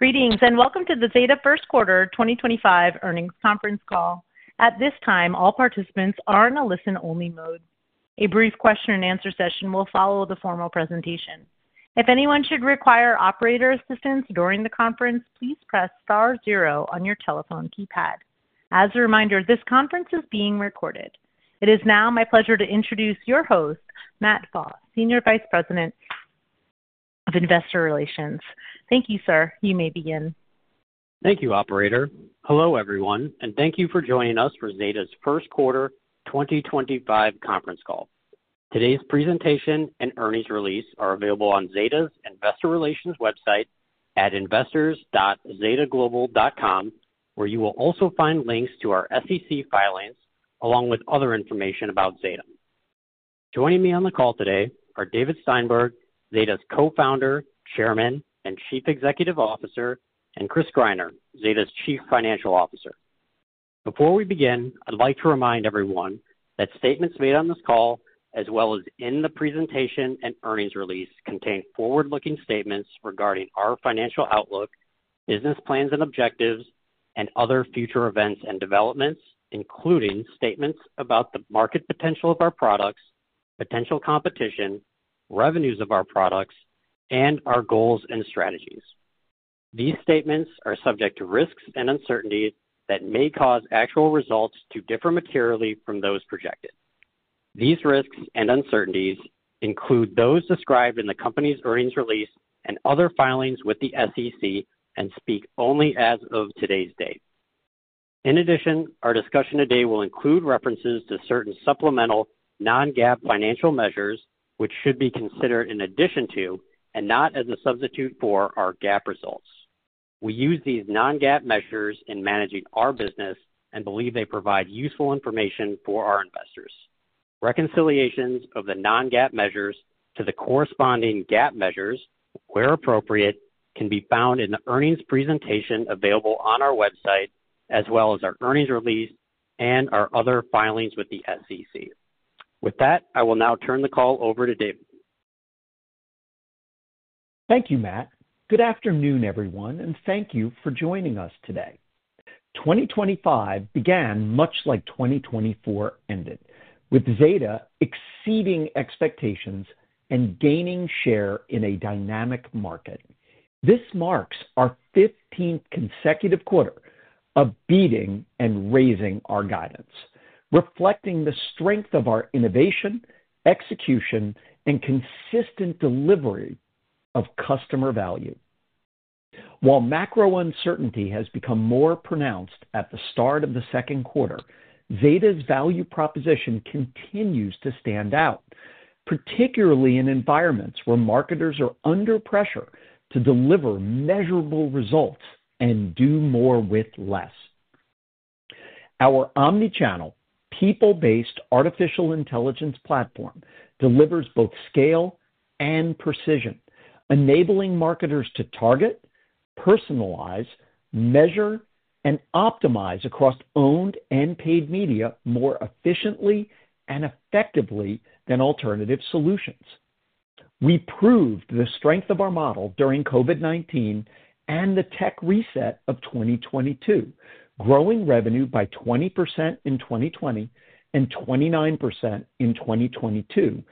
Greetings, and welcome to the Zeta first quarter 2025 earnings conference call. At this time, all participants are in a listen-only mode. A brief question-and-answer session will follow the formal presentation. If anyone should require operator assistance during the conference, please press star zero on your telephone keypad. As a reminder, this conference is being recorded. It is now my pleasure to introduce your host, Matt Pfau, Senior Vice President of Investor Relations. Thank you, sir. You may begin. Thank you, Operator. Hello, everyone, and thank you for joining us for Zeta's first quarter 2025 conference call. Today's presentation and earnings release are available on Zeta's Investor Relations website at investors.zeta-global.com, where you will also find links to our SEC filings along with other information about Zeta. Joining me on the call today are David Steinberg, Zeta's Co-Founder, Chairman, and Chief Executive Officer, and Chris Greiner, Zeta's Chief Financial Officer. Before we begin, I'd like to remind everyone that statements made on this call, as well as in the presentation and earnings release, contain forward-looking statements regarding our financial outlook, business plans and objectives, and other future events and developments, including statements about the market potential of our products, potential competition, revenues of our products, and our goals and strategies. These statements are subject to risks and uncertainties that may cause actual results to differ materially from those projected. These risks and uncertainties include those described in the company's earnings release and other filings with the SEC and speak only as of today's date. In addition, our discussion today will include references to certain supplemental non-GAAP financial measures, which should be considered in addition to and not as a substitute for our GAAP results. We use these non-GAAP measures in managing our business and believe they provide useful information for our investors. Reconciliations of the non-GAAP measures to the corresponding GAAP measures, where appropriate, can be found in the earnings presentation available on our website, as well as our earnings release and our other filings with the SEC. With that, I will now turn the call over to David. Thank you, Matt. Good afternoon, everyone, and thank you for joining us today. 2025 began much like 2024 ended, with Zeta exceeding expectations and gaining share in a dynamic market. This marks our 15th consecutive quarter of beating and raising our guidance, reflecting the strength of our innovation, execution, and consistent delivery of customer value. While macro uncertainty has become more pronounced at the start of the second quarter, Zeta's value proposition continues to stand out, particularly in environments where marketers are under pressure to deliver measurable results and do more with less. Our omnichannel people-based artificial intelligence platform delivers both scale and precision, enabling marketers to target, personalize, measure, and optimize across owned and paid media more efficiently and effectively than alternative solutions. We proved the strength of our model during COVID-19 and the tech reset of 2022, growing revenue by 20% in 2020 and 29% in 2022,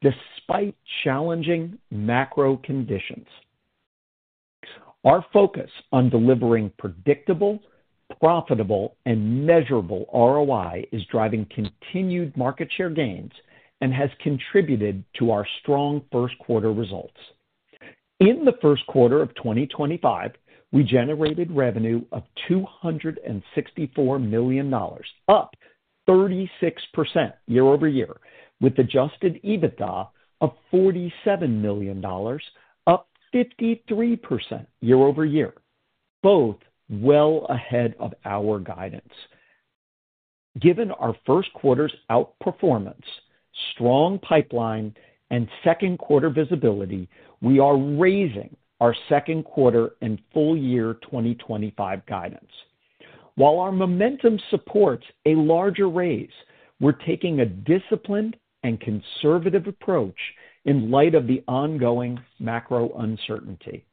despite challenging macro conditions. Our focus on delivering predictable, profitable, and measurable ROI is driving continued market share gains and has contributed to our strong first quarter results. In the first quarter of 2025, we generated revenue of $264 million, up 36% year over year, with adjusted EBITDA of $47 million, up 53% year over year, both well ahead of our guidance. Given our first quarter's outperformance, strong pipeline, and second quarter visibility, we are raising our second quarter and full year 2025 guidance. While our momentum supports a larger raise, we're taking a disciplined and conservative approach in light of the ongoing macro uncertainty.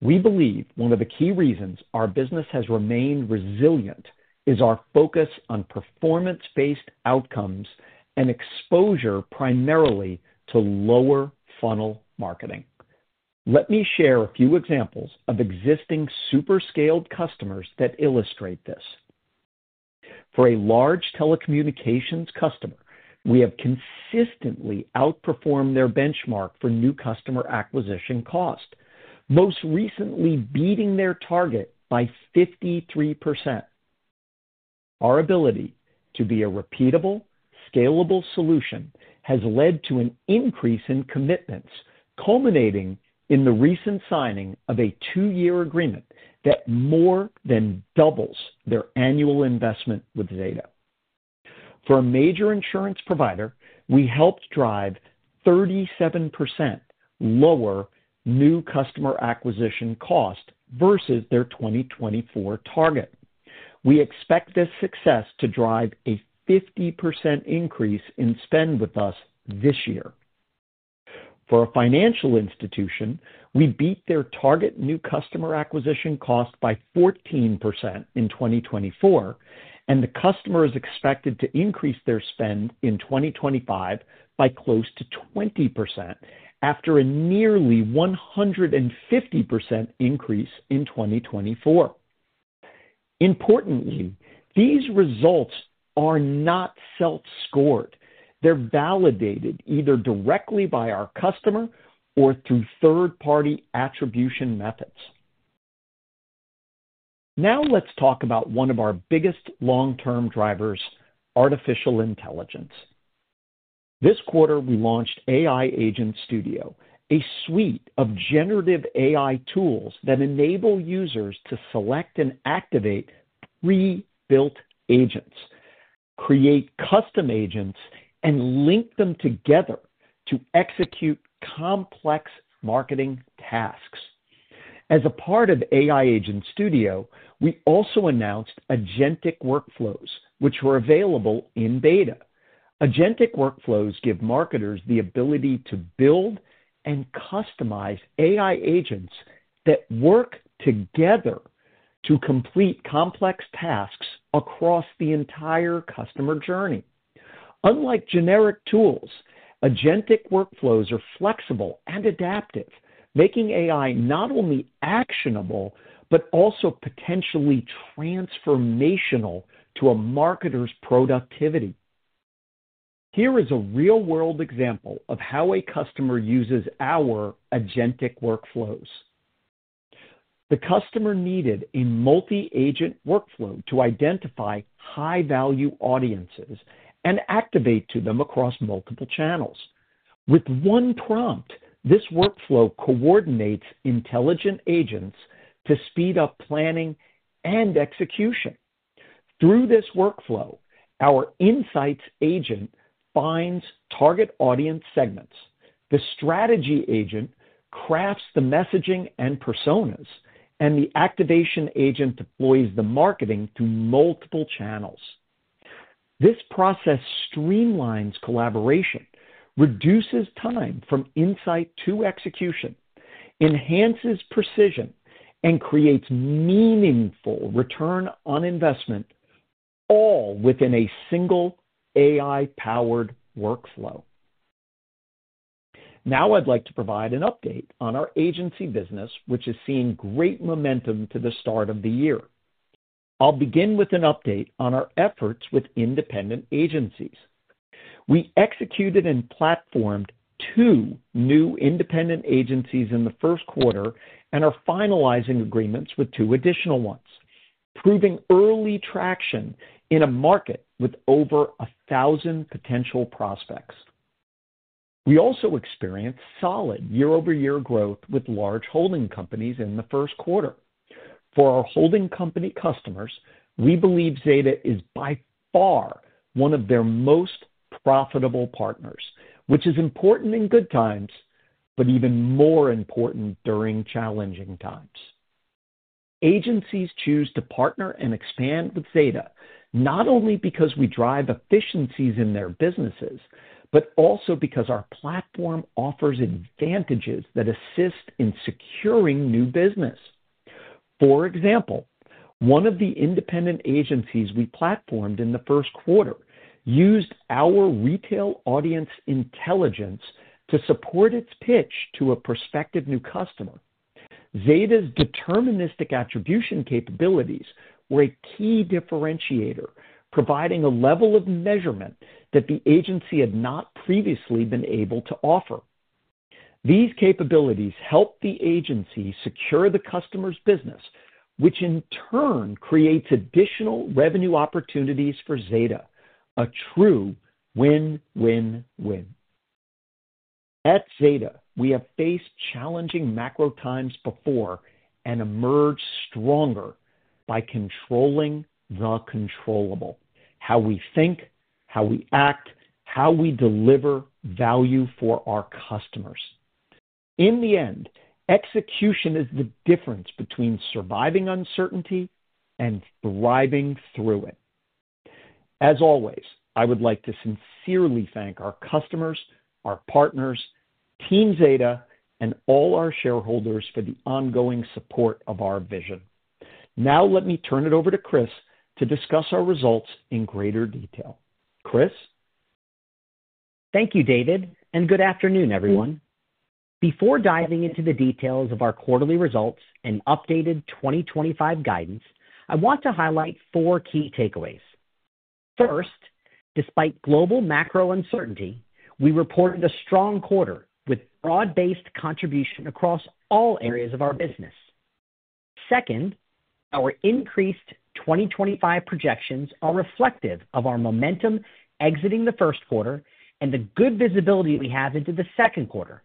We believe one of the key reasons our business has remained resilient is our focus on performance-based outcomes and exposure primarily to lower funnel marketing. Let me share a few examples of existing super scaled customers that illustrate this. For a large telecommunications customer, we have consistently outperformed their benchmark for new customer acquisition cost, most recently beating their target by 53%. Our ability to be a repeatable, scalable solution has led to an increase in commitments, culminating in the recent signing of a two-year agreement that more than doubles their annual investment with Zeta. For a major insurance provider, we helped drive 37% lower new customer acquisition cost versus their 2024 target. We expect this success to drive a 50% increase in spend with us this year. For a financial institution, we beat their target new customer acquisition cost by 14% in 2024, and the customer is expected to increase their spend in 2025 by close to 20% after a nearly 150% increase in 2024. Importantly, these results are not self-scored. They are validated either directly by our customer or through third-party attribution methods. Now let's talk about one of our biggest long-term drivers, artificial intelligence. This quarter, we launched AI Agent Studio, a suite of generative AI tools that enable users to select and activate pre-built agents, create custom agents, and link them together to execute complex marketing tasks. As a part of AI Agent Studio, we also announced Agentic Workflows, which were available in beta. Agentic Workflows give marketers the ability to build and customize AI agents that work together to complete complex tasks across the entire customer journey. Unlike generic tools, Agentic Workflows are flexible and adaptive, making AI not only actionable but also potentially transformational to a marketer's productivity. Here is a real-world example of how a customer uses our Agentic Workflows. The customer needed a multi-agent workflow to identify high-value audiences and activate to them across multiple channels. With one prompt, this workflow coordinates intelligent agents to speed up planning and execution. Through this workflow, our insights agent finds target audience segments, the strategy agent crafts the messaging and personas, and the activation agent deploys the marketing through multiple channels. This process streamlines collaboration, reduces time from insight to execution, enhances precision, and creates meaningful return on investment, all within a single AI-powered workflow. Now I'd like to provide an update on our agency business, which is seeing great momentum to the start of the year. I'll begin with an update on our efforts with independent agencies. We executed and platformed two new independent agencies in the first quarter and are finalizing agreements with two additional ones, proving early traction in a market with over 1,000 potential prospects. We also experienced solid year-over-year growth with large holding companies in the first quarter. For our holding company customers, we believe Zeta is by far one of their most profitable partners, which is important in good times, but even more important during challenging times. Agencies choose to partner and expand with Zeta not only because we drive efficiencies in their businesses, but also because our platform offers advantages that assist in securing new business. For example, one of the independent agencies we platformed in the first quarter used our retail audience intelligence to support its pitch to a prospective new customer. Zeta's deterministic attribution capabilities were a key differentiator, providing a level of measurement that the agency had not previously been able to offer. These capabilities help the agency secure the customer's business, which in turn creates additional revenue opportunities for Zeta, a true win-win-win. At Zeta, we have faced challenging macro times before and emerged stronger by controlling the controllable: how we think, how we act, how we deliver value for our customers. In the end, execution is the difference between surviving uncertainty and thriving through it. As always, I would like to sincerely thank our customers, our partners, Team Zeta, and all our shareholders for the ongoing support of our vision. Now let me turn it over to Chris to discuss our results in greater detail. Chris? Thank you, David, and good afternoon, everyone. Before diving into the details of our quarterly results and updated 2025 guidance, I want to highlight four key takeaways. First, despite global macro uncertainty, we reported a strong quarter with broad-based contribution across all areas of our business. Second, our increased 2025 projections are reflective of our momentum exiting the first quarter and the good visibility we have into the second quarter,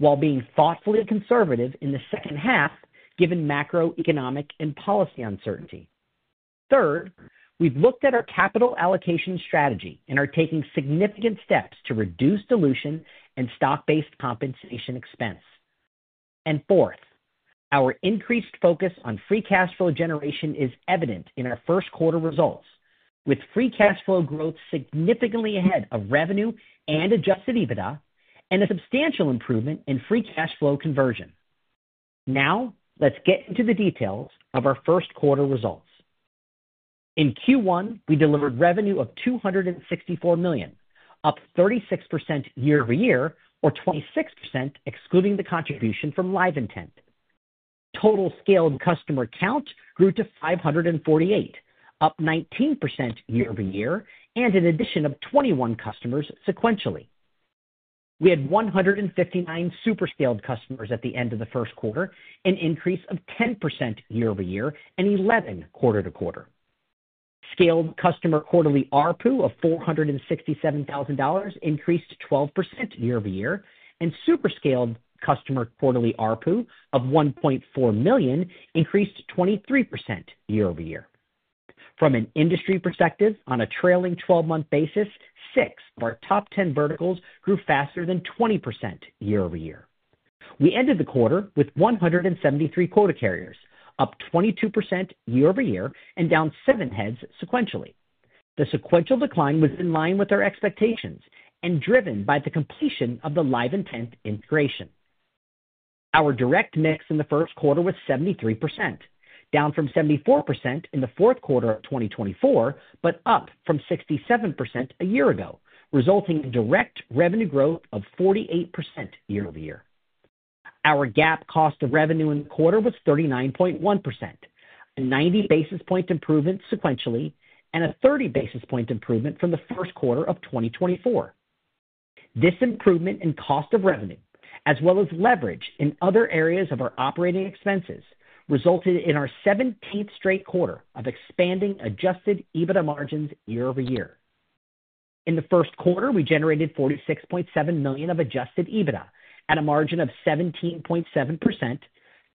while being thoughtfully conservative in the second half given macroeconomic and policy uncertainty. Third, we've looked at our capital allocation strategy and are taking significant steps to reduce dilution and stock-based compensation expense. Fourth, our increased focus on free cash flow generation is evident in our first quarter results, with free cash flow growth significantly ahead of revenue and adjusted EBITDA, and a substantial improvement in free cash flow conversion. Now let's get into the details of our first quarter results. In Q1, we delivered revenue of $264 million, up 36% year-over-year, or 26% excluding the contribution from Live Intent. Total scaled customer count grew to 548, up 19% year-over-year, and an addition of 21 customers sequentially. We had 159 super scaled customers at the end of the first quarter, an increase of 10% year-over-year, and 11 quarter-to-quarter. Scaled customer quarterly ARPU of $467,000 increased 12% year-over-year, and super scaled customer quarterly ARPU of $1.4 million increased 23% year-over-year. From an industry perspective, on a trailing 12-month basis, six of our top 10 verticals grew faster than 20% year-over-year. We ended the quarter with 173 quota carriers, up 22% year-over-year, and down seven heads sequentially. The sequential decline was in line with our expectations and driven by the completion of the Live Intent integration. Our direct mix in the first quarter was 73%, down from 74% in the fourth quarter of 2024, but up from 67% a year ago, resulting in direct revenue growth of 48% year-over-year. Our GAAP cost of revenue in the quarter was 39.1%, a 90 basis point improvement sequentially, and a 30 basis point improvement from the first quarter of 2024. This improvement in cost of revenue, as well as leverage in other areas of our operating expenses, resulted in our 17th straight quarter of expanding adjusted EBITDA margins year-over-year. In the first quarter, we generated $46.7 million of adjusted EBITDA at a margin of 17.7%,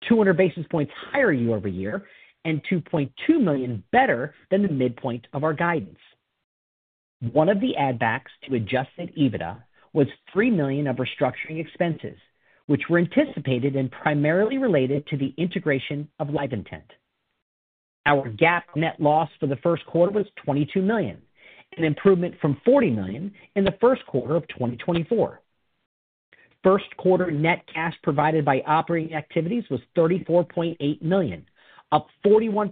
200 basis points higher year-over-year, and $2.2 million better than the midpoint of our guidance. One of the add-backs to adjusted EBITDA was $3 million of restructuring expenses, which were anticipated and primarily related to the integration of Live Intent. Our GAAP net loss for the first quarter was $22 million, an improvement from $40 million in the first quarter of 2024. First quarter net cash provided by operating activities was $34.8 million, up 41%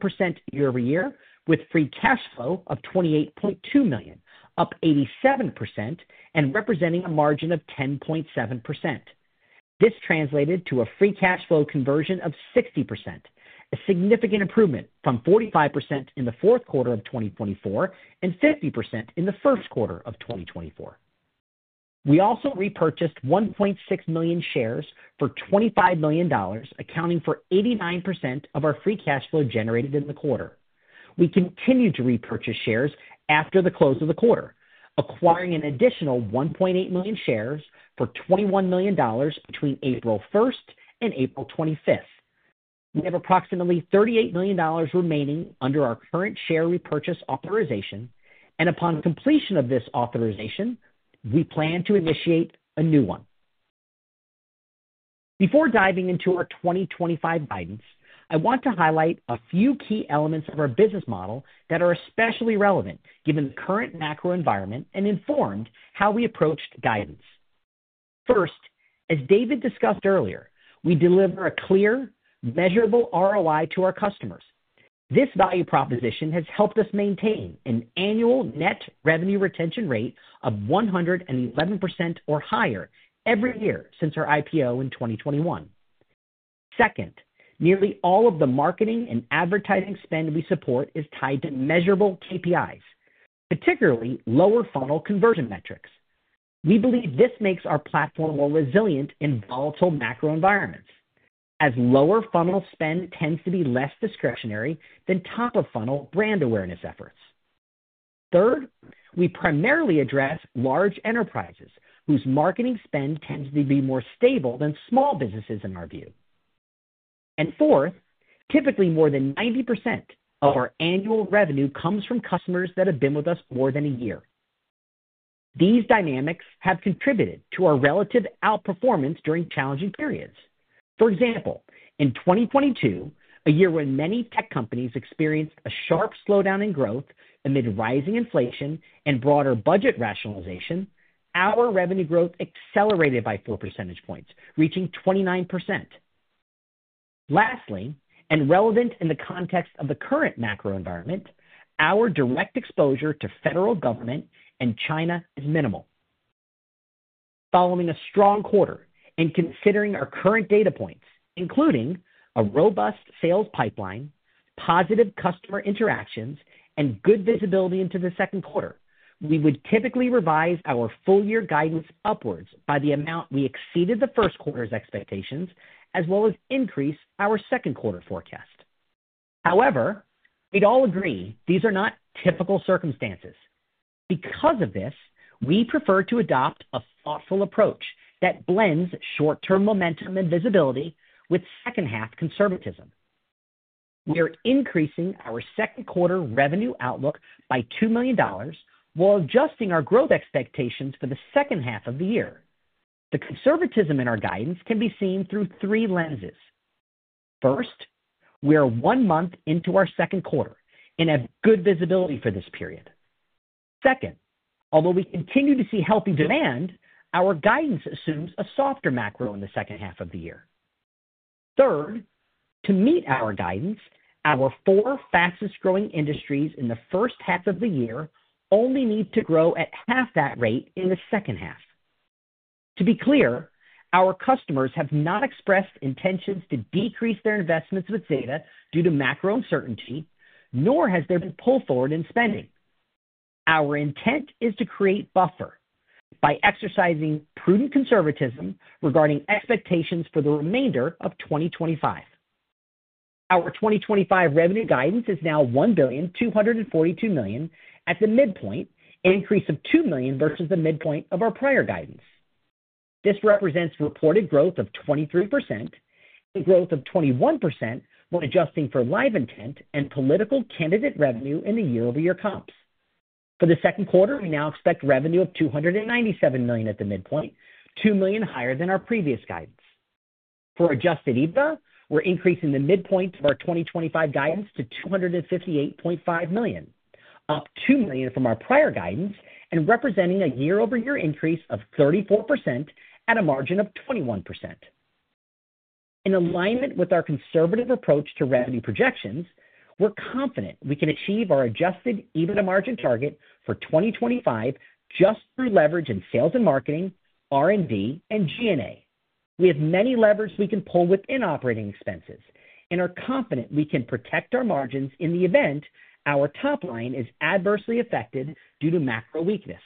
year-over-year, with free cash flow of $28.2 million, up 87%, and representing a margin of 10.7%. This translated to a free cash flow conversion of 60%, a significant improvement from 45% in the fourth quarter of 2024 and 50% in the first quarter of 2024. We also repurchased 1.6 million shares for $25 million, accounting for 89% of our free cash flow generated in the quarter. We continued to repurchase shares after the close of the quarter, acquiring an additional 1.8 million shares for $21 million between April 1 and April 25. We have approximately $38 million remaining under our current share repurchase authorization, and upon completion of this authorization, we plan to initiate a new one. Before diving into our 2025 guidance, I want to highlight a few key elements of our business model that are especially relevant given the current macro environment and informed how we approached guidance. First, as David discussed earlier, we deliver a clear, measurable ROI to our customers. This value proposition has helped us maintain an annual net revenue retention rate of 111% or higher every year since our IPO in 2021. Second, nearly all of the marketing and advertising spend we support is tied to measurable KPIs, particularly lower funnel conversion metrics. We believe this makes our platform more resilient in volatile macro environments, as lower funnel spend tends to be less discretionary than top-of-funnel brand awareness efforts. Third, we primarily address large enterprises whose marketing spend tends to be more stable than small businesses in our view. Fourth, typically more than 90% of our annual revenue comes from customers that have been with us more than a year. These dynamics have contributed to our relative outperformance during challenging periods. For example, in 2022, a year when many tech companies experienced a sharp slowdown in growth amid rising inflation and broader budget rationalization, our revenue growth accelerated by 4 percentage points, reaching 29%. Lastly, and relevant in the context of the current macro environment, our direct exposure to federal government and China is minimal. Following a strong quarter and considering our current data points, including a robust sales pipeline, positive customer interactions, and good visibility into the second quarter, we would typically revise our full-year guidance upwards by the amount we exceeded the first quarter's expectations, as well as increase our second quarter forecast. However, we'd all agree these are not typical circumstances. Because of this, we prefer to adopt a thoughtful approach that blends short-term momentum and visibility with second-half conservatism. We are increasing our second quarter revenue outlook by $2 million while adjusting our growth expectations for the second half of the year. The conservatism in our guidance can be seen through three lenses. First, we are one month into our second quarter and have good visibility for this period. Second, although we continue to see healthy demand, our guidance assumes a softer macro in the second half of the year. Third, to meet our guidance, our four fastest-growing industries in the first half of the year only need to grow at half that rate in the second half. To be clear, our customers have not expressed intentions to decrease their investments with Zeta due to macro uncertainty, nor has there been pull forward in spending. Our intent is to create buffer by exercising prudent conservatism regarding expectations for the remainder of 2025. Our 2025 revenue guidance is now $1,242 million at the midpoint, an increase of $2 million versus the midpoint of our prior guidance. This represents reported growth of 23% and growth of 21% when adjusting for Live Intent and political candidate revenue in the year-over-year comps. For the second quarter, we now expect revenue of $297 million at the midpoint, $2 million higher than our previous guidance. For adjusted EBITDA, we're increasing the midpoint of our 2025 guidance to $258.5 million, up $2 million from our prior guidance, and representing a year-over-year increase of 34% at a margin of 21%. In alignment with our conservative approach to revenue projections, we're confident we can achieve our adjusted EBITDA margin target for 2025 just through leverage in sales and marketing, R&D, and G&A. We have many levers we can pull within operating expenses and are confident we can protect our margins in the event our top line is adversely affected due to macro weakness.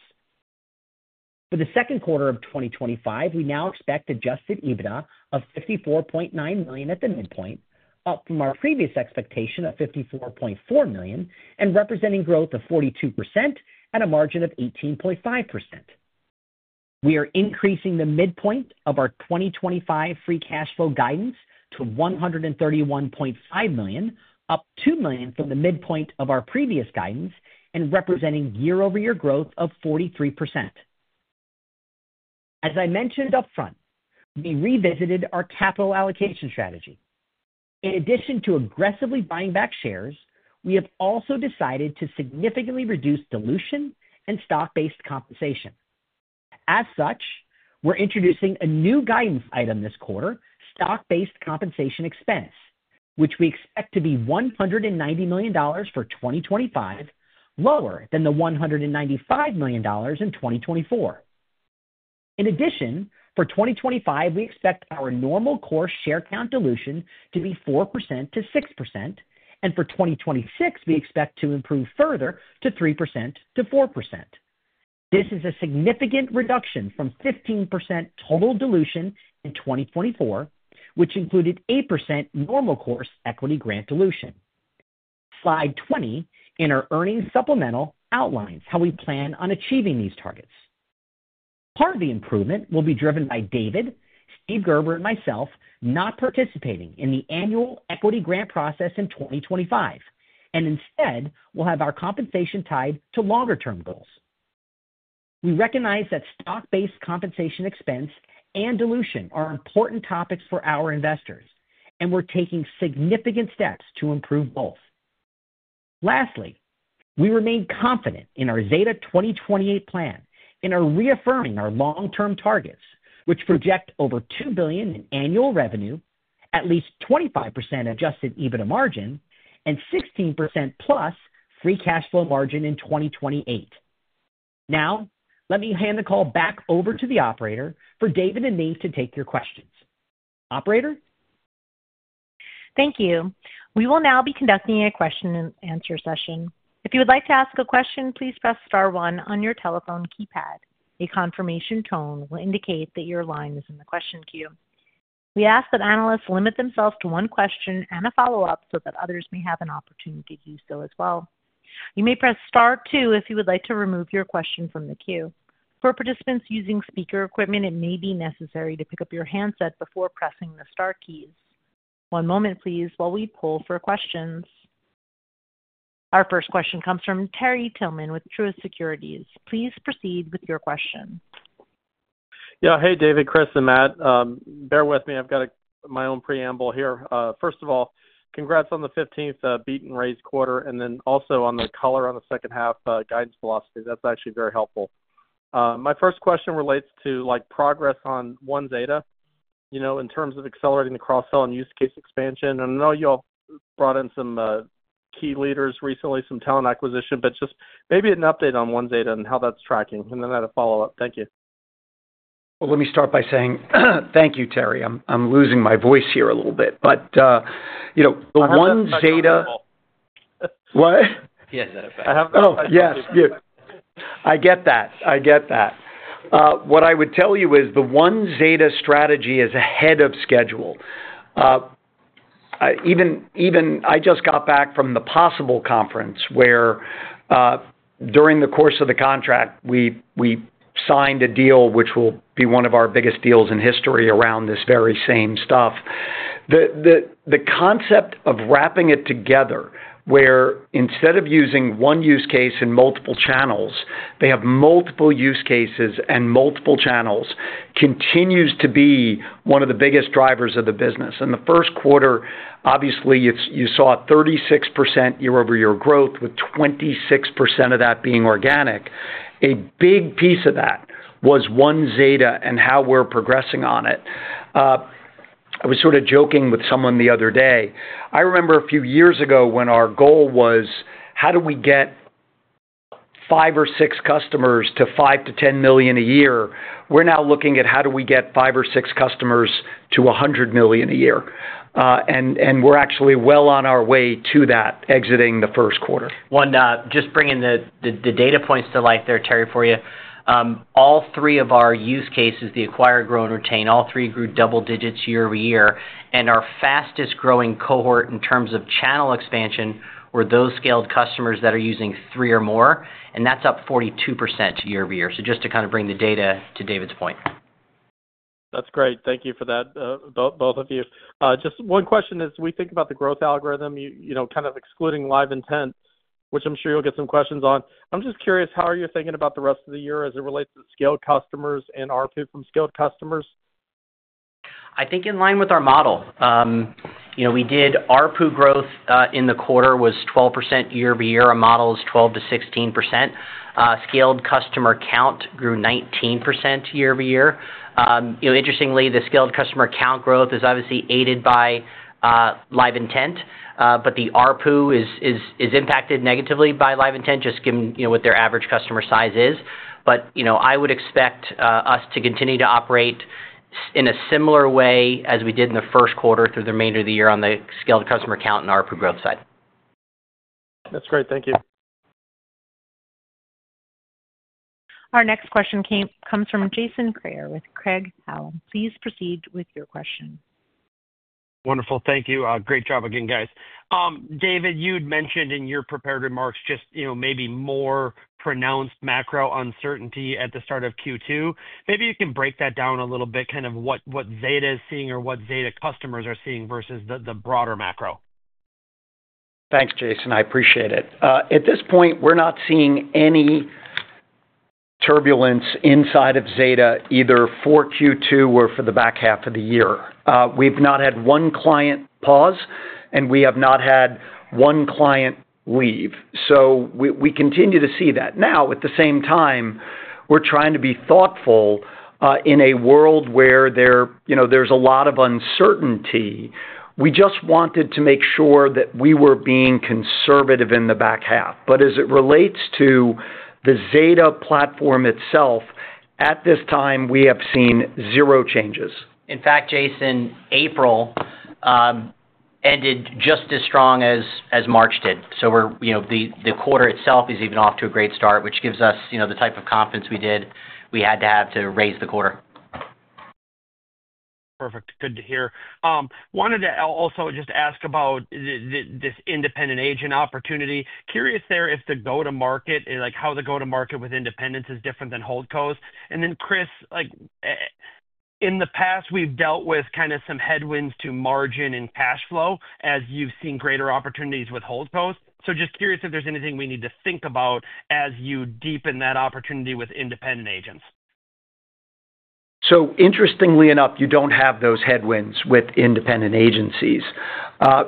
For the second quarter of 2025, we now expect adjusted EBITDA of $54.9 million at the midpoint, up from our previous expectation of $54.4 million and representing growth of 42% at a margin of 18.5%. We are increasing the midpoint of our 2025 free cash flow guidance to $131.5 million, up $2 million from the midpoint of our previous guidance, and representing year-over-year growth of 43%. As I mentioned upfront, we revisited our capital allocation strategy. In addition to aggressively buying back shares, we have also decided to significantly reduce dilution and stock-based compensation. As such, we're introducing a new guidance item this quarter, stock-based compensation expense, which we expect to be $190 million for 2025, lower than the $195 million in 2024. In addition, for 2025, we expect our normal core share count dilution to be 4%-6%, and for 2026, we expect to improve further to 3%-4%. This is a significant reduction from 15% total dilution in 2024, which included 8% normal course equity grant dilution. Slide 20 in our earnings supplemental outlines how we plan on achieving these targets. Part of the improvement will be driven by David, Steve Gerber, and myself not participating in the annual equity grant process in 2025, and instead, we'll have our compensation tied to longer-term goals. We recognize that stock-based compensation expense and dilution are important topics for our investors, and we're taking significant steps to improve both. Lastly, we remain confident in our Zeta 2028 plan and are reaffirming our long-term targets, which project over $2 billion in annual revenue, at least 25% adjusted EBITDA margin, and 16% plus free cash flow margin in 2028. Now, let me hand the call back over to the operator for David and me to take your questions. Operator? Thank you. We will now be conducting a question-and-answer session. If you would like to ask a question, please press star one on your telephone keypad. A confirmation tone will indicate that your line is in the question queue. We ask that analysts limit themselves to one question and a follow-up so that others may have an opportunity to do so as well. You may press star two if you would like to remove your question from the queue. For participants using speaker equipment, it may be necessary to pick up your handset before pressing the star keys. One moment, please, while we pull for questions. Our first question comes from Terry Tillman with Truist Securities. Please proceed with your question. Yeah. Hey, David, Chris, and Matt. Bear with me. I've got my own preamble here. First of all, congrats on the 15th beat and raise quarter, and then also on the color on the second half guidance velocity. That's actually very helpful. My first question relates to progress on 1Zeta in terms of accelerating the cross-sell and use case expansion. I know you all brought in some key leaders recently, some talent acquisition, but just maybe an update on 1Zeta and how that's tracking. I had a follow-up. Thank you. Let me start by saying thank you, Terry. I'm losing my voice here a little bit. The 1Zeta—what? Yes, I have that. Oh, yes. I get that. I get that. What I would tell you is the 1Zeta strategy is ahead of schedule. I just got back from the Possible conference where during the course of the contract, we signed a deal which will be one of our biggest deals in history around this very same stuff. The concept of wrapping it together where instead of using one use case in multiple channels, they have multiple use cases and multiple channels continues to be one of the biggest drivers of the business. In the first quarter, obviously, you saw 36% year-over-year growth with 26% of that being organic. A big piece of that was 1Zeta and how we're progressing on it. I was sort of joking with someone the other day. I remember a few years ago when our goal was, how do we get five or six customers to $5 million-$10 million a year? We're now looking at how do we get five or six customers to $100 million a year? And we're actually well on our way to that exiting the first quarter. Just bringing the data points to light there, Terry, for you. All three of our use cases, the acquired, grown, retained, all three grew double digits year over year. Our fastest-growing cohort in terms of channel expansion were those scaled customers that are using three or more, and that's up 42% year over year. Just to kind of bring the data to David's point. That's great. Thank you for that, both of you. Just one question as we think about the growth algorithm, kind of excluding Live Intent, which I'm sure you'll get some questions on. I'm just curious, how are you thinking about the rest of the year as it relates to scaled customers and ARPU from scaled customers? I think in line with our model. We did ARPU growth in the quarter was 12% year over year. Our model is 12-16%. Scaled customer count grew 19% year over year. Interestingly, the scaled customer count growth is obviously aided by Live Intent, but the ARPU is impacted negatively by Live Intent just given what their average customer size is. I would expect us to continue to operate in a similar way as we did in the first quarter through the remainder of the year on the scaled customer count and ARPU growth side. That's great. Thank you. Our next question comes from Jason Kreyer with Craig-Hallum. Please proceed with your question. Wonderful. Thank you. Great job again, guys. David, you'd mentioned in your prepared remarks just maybe more pronounced macro uncertainty at the start of Q2. Maybe you can break that down a little bit, kind of what Zeta is seeing or what Zeta customers are seeing versus the broader macro. Thanks, Jason. I appreciate it. At this point, we're not seeing any turbulence inside of Zeta either for Q2 or for the back half of the year. We've not had one client pause, and we have not had one client leave. We continue to see that. At the same time, we're trying to be thoughtful in a world where there's a lot of uncertainty. We just wanted to make sure that we were being conservative in the back half. As it relates to the Zeta platform itself, at this time, we have seen zero changes. In fact, Jason, April ended just as strong as March did. The quarter itself is even off to a great start, which gives us the type of confidence we had to have to raise the quarter. Perfect. Good to hear. Wanted to also just ask about this independent agent opportunity. Curious there if the go-to-market, how the go-to-market with independents is different than hold posts. Chris, in the past, we've dealt with kind of some headwinds to margin and cash flow as you've seen greater opportunities with hold posts. Just curious if there's anything we need to think about as you deepen that opportunity with independent agents. Interestingly enough, you don't have those headwinds with independent agencies.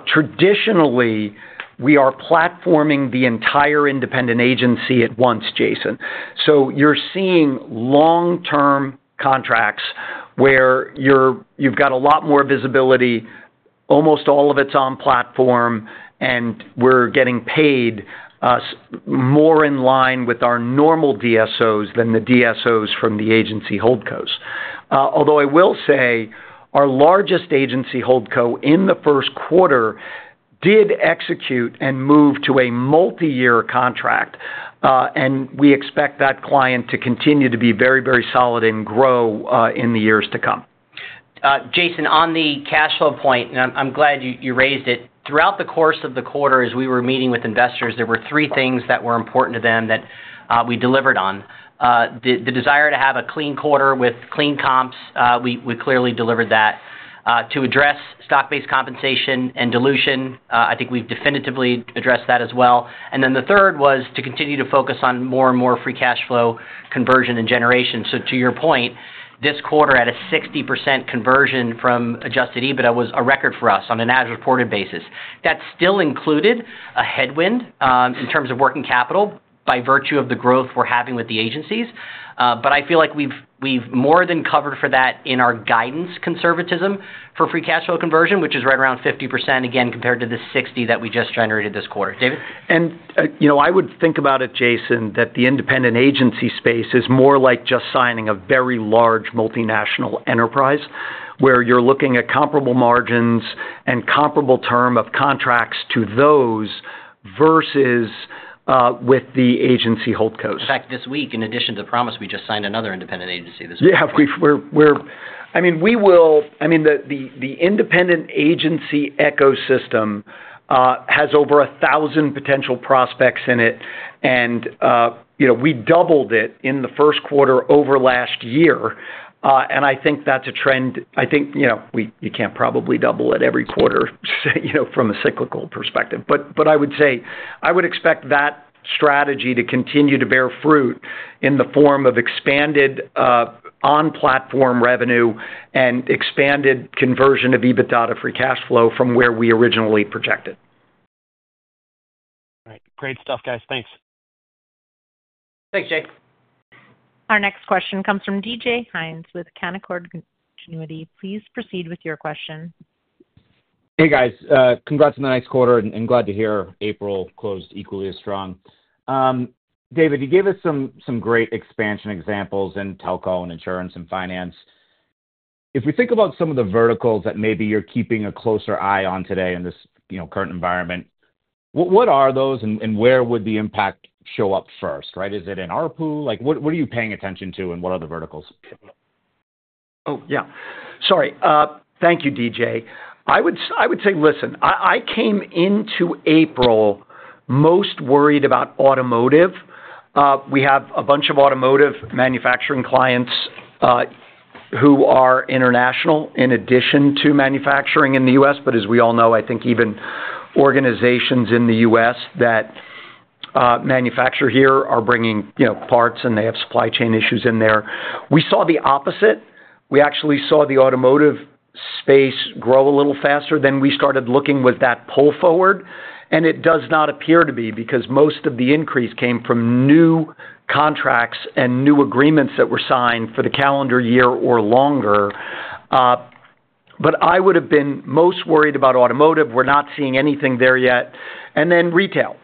Traditionally, we are platforming the entire independent agency at once, Jason. You're seeing long-term contracts where you've got a lot more visibility, almost all of it's on platform, and we're getting paid more in line with our normal DSOs than the DSOs from the agency hold posts. Although I will say our largest agency holdco in the first quarter did execute and move to a multi-year contract, and we expect that client to continue to be very, very solid and grow in the years to come. Jason, on the cash flow point, and I'm glad you raised it, throughout the course of the quarter, as we were meeting with investors, there were three things that were important to them that we delivered on. The desire to have a clean quarter with clean comps, we clearly delivered that. To address stock-based compensation and dilution, I think we've definitively addressed that as well. The third was to continue to focus on more and more free cash flow conversion and generation. To your point, this quarter at a 60% conversion from adjusted EBITDA was a record for us on an as-reported basis. That still included a headwind in terms of working capital by virtue of the growth we're having with the agencies. I feel like we've more than covered for that in our guidance conservatism for free cash flow conversion, which is right around 50%, again, compared to the 60% that we just generated this quarter. David? I would think about it, Jason, that the independent agency space is more like just signing a very large multinational enterprise where you're looking at comparable margins and comparable term of contracts to those versus with the agency holdcos. In fact, this week, in addition to Promise, we just signed another independent agency this week. I mean, the independent agency ecosystem has over 1,000 potential prospects in it, and we doubled it in the first quarter over last year. I think that's a trend. I think you can't probably double it every quarter from a cyclical perspective. But I would say I would expect that strategy to continue to bear fruit in the form of expanded on-platform revenue and expanded conversion of EBITDA to free cash flow from where we originally projected. All right. Great stuff, guys. Thanks. Thanks, Jason. Our next question comes from DJ Hynes with Canaccord Genuity. Please proceed with your question. Hey, guys. Congrats on the next quarter, and glad to hear April closed equally as strong. David, you gave us some great expansion examples in telco and insurance and finance. If we think about some of the verticals that maybe you're keeping a closer eye on today in this current environment, what are those, and where would the impact show up first? Right? Is it in ARPU? What are you paying attention to, and what are the verticals? Oh, yeah. Sorry. Thank you, DJ. I would say, listen, I came into April most worried about automotive. We have a bunch of automotive manufacturing clients who are international in addition to manufacturing in the U.S. As we all know, I think even organizations in the U.S. that manufacture here are bringing parts, and they have supply chain issues in there. We saw the opposite. We actually saw the automotive space grow a little faster than we started looking with that pull forward. It does not appear to be because most of the increase came from new contracts and new agreements that were signed for the calendar year or longer. I would have been most worried about automotive. We're not seeing anything there yet. Retail,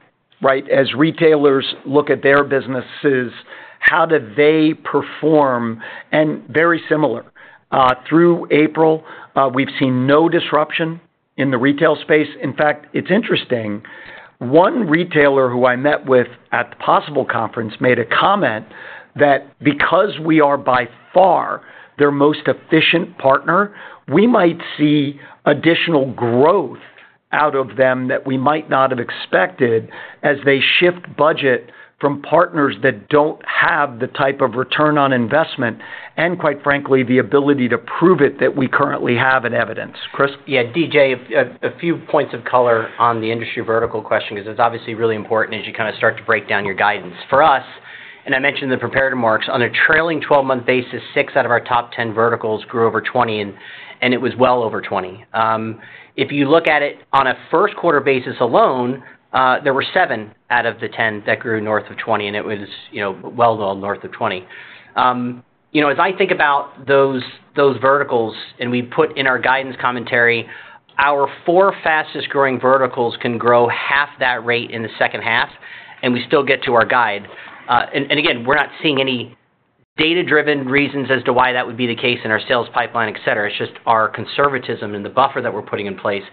right? As retailers look at their businesses, how do they perform? Very similar. Through April, we've seen no disruption in the retail space. In fact, it's interesting. One retailer who I met with at the Possible conference made a comment that because we are by far their most efficient partner, we might see additional growth out of them that we might not have expected as they shift budget from partners that don't have the type of return on investment and, quite frankly, the ability to prove it that we currently have in evidence. Chris? Yeah. DJ, a few points of color on the industry vertical question because it's obviously really important as you kind of start to break down your guidance. For us, and I mentioned the prepared remarks, on a trailing 12-month basis, 6 out of our top 10 verticals grew over 20, and it was well over 20. If you look at it on a first-quarter basis alone, there were 7 out of the 10 that grew north of 20%, and it was well north of 20%. As I think about those verticals, and we put in our guidance commentary, our four fastest-growing verticals can grow half that rate in the second half, and we still get to our guide. Again, we're not seeing any data-driven reasons as to why that would be the case in our sales pipeline, etc. It's just our conservatism and the buffer that we're putting in place.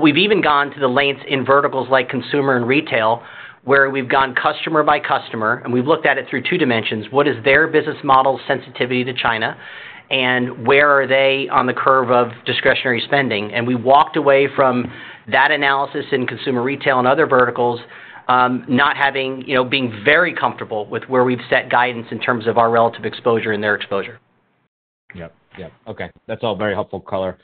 We've even gone to the lengths in verticals like consumer and retail where we've gone customer by customer, and we've looked at it through two dimensions. What is their business model sensitivity to China, and where are they on the curve of discretionary spending? We walked away from that analysis in consumer retail and other verticals not being very comfortable with where we've set guidance in terms of our relative exposure and their exposure. Yep. Yep. Okay. That's all very helpful color.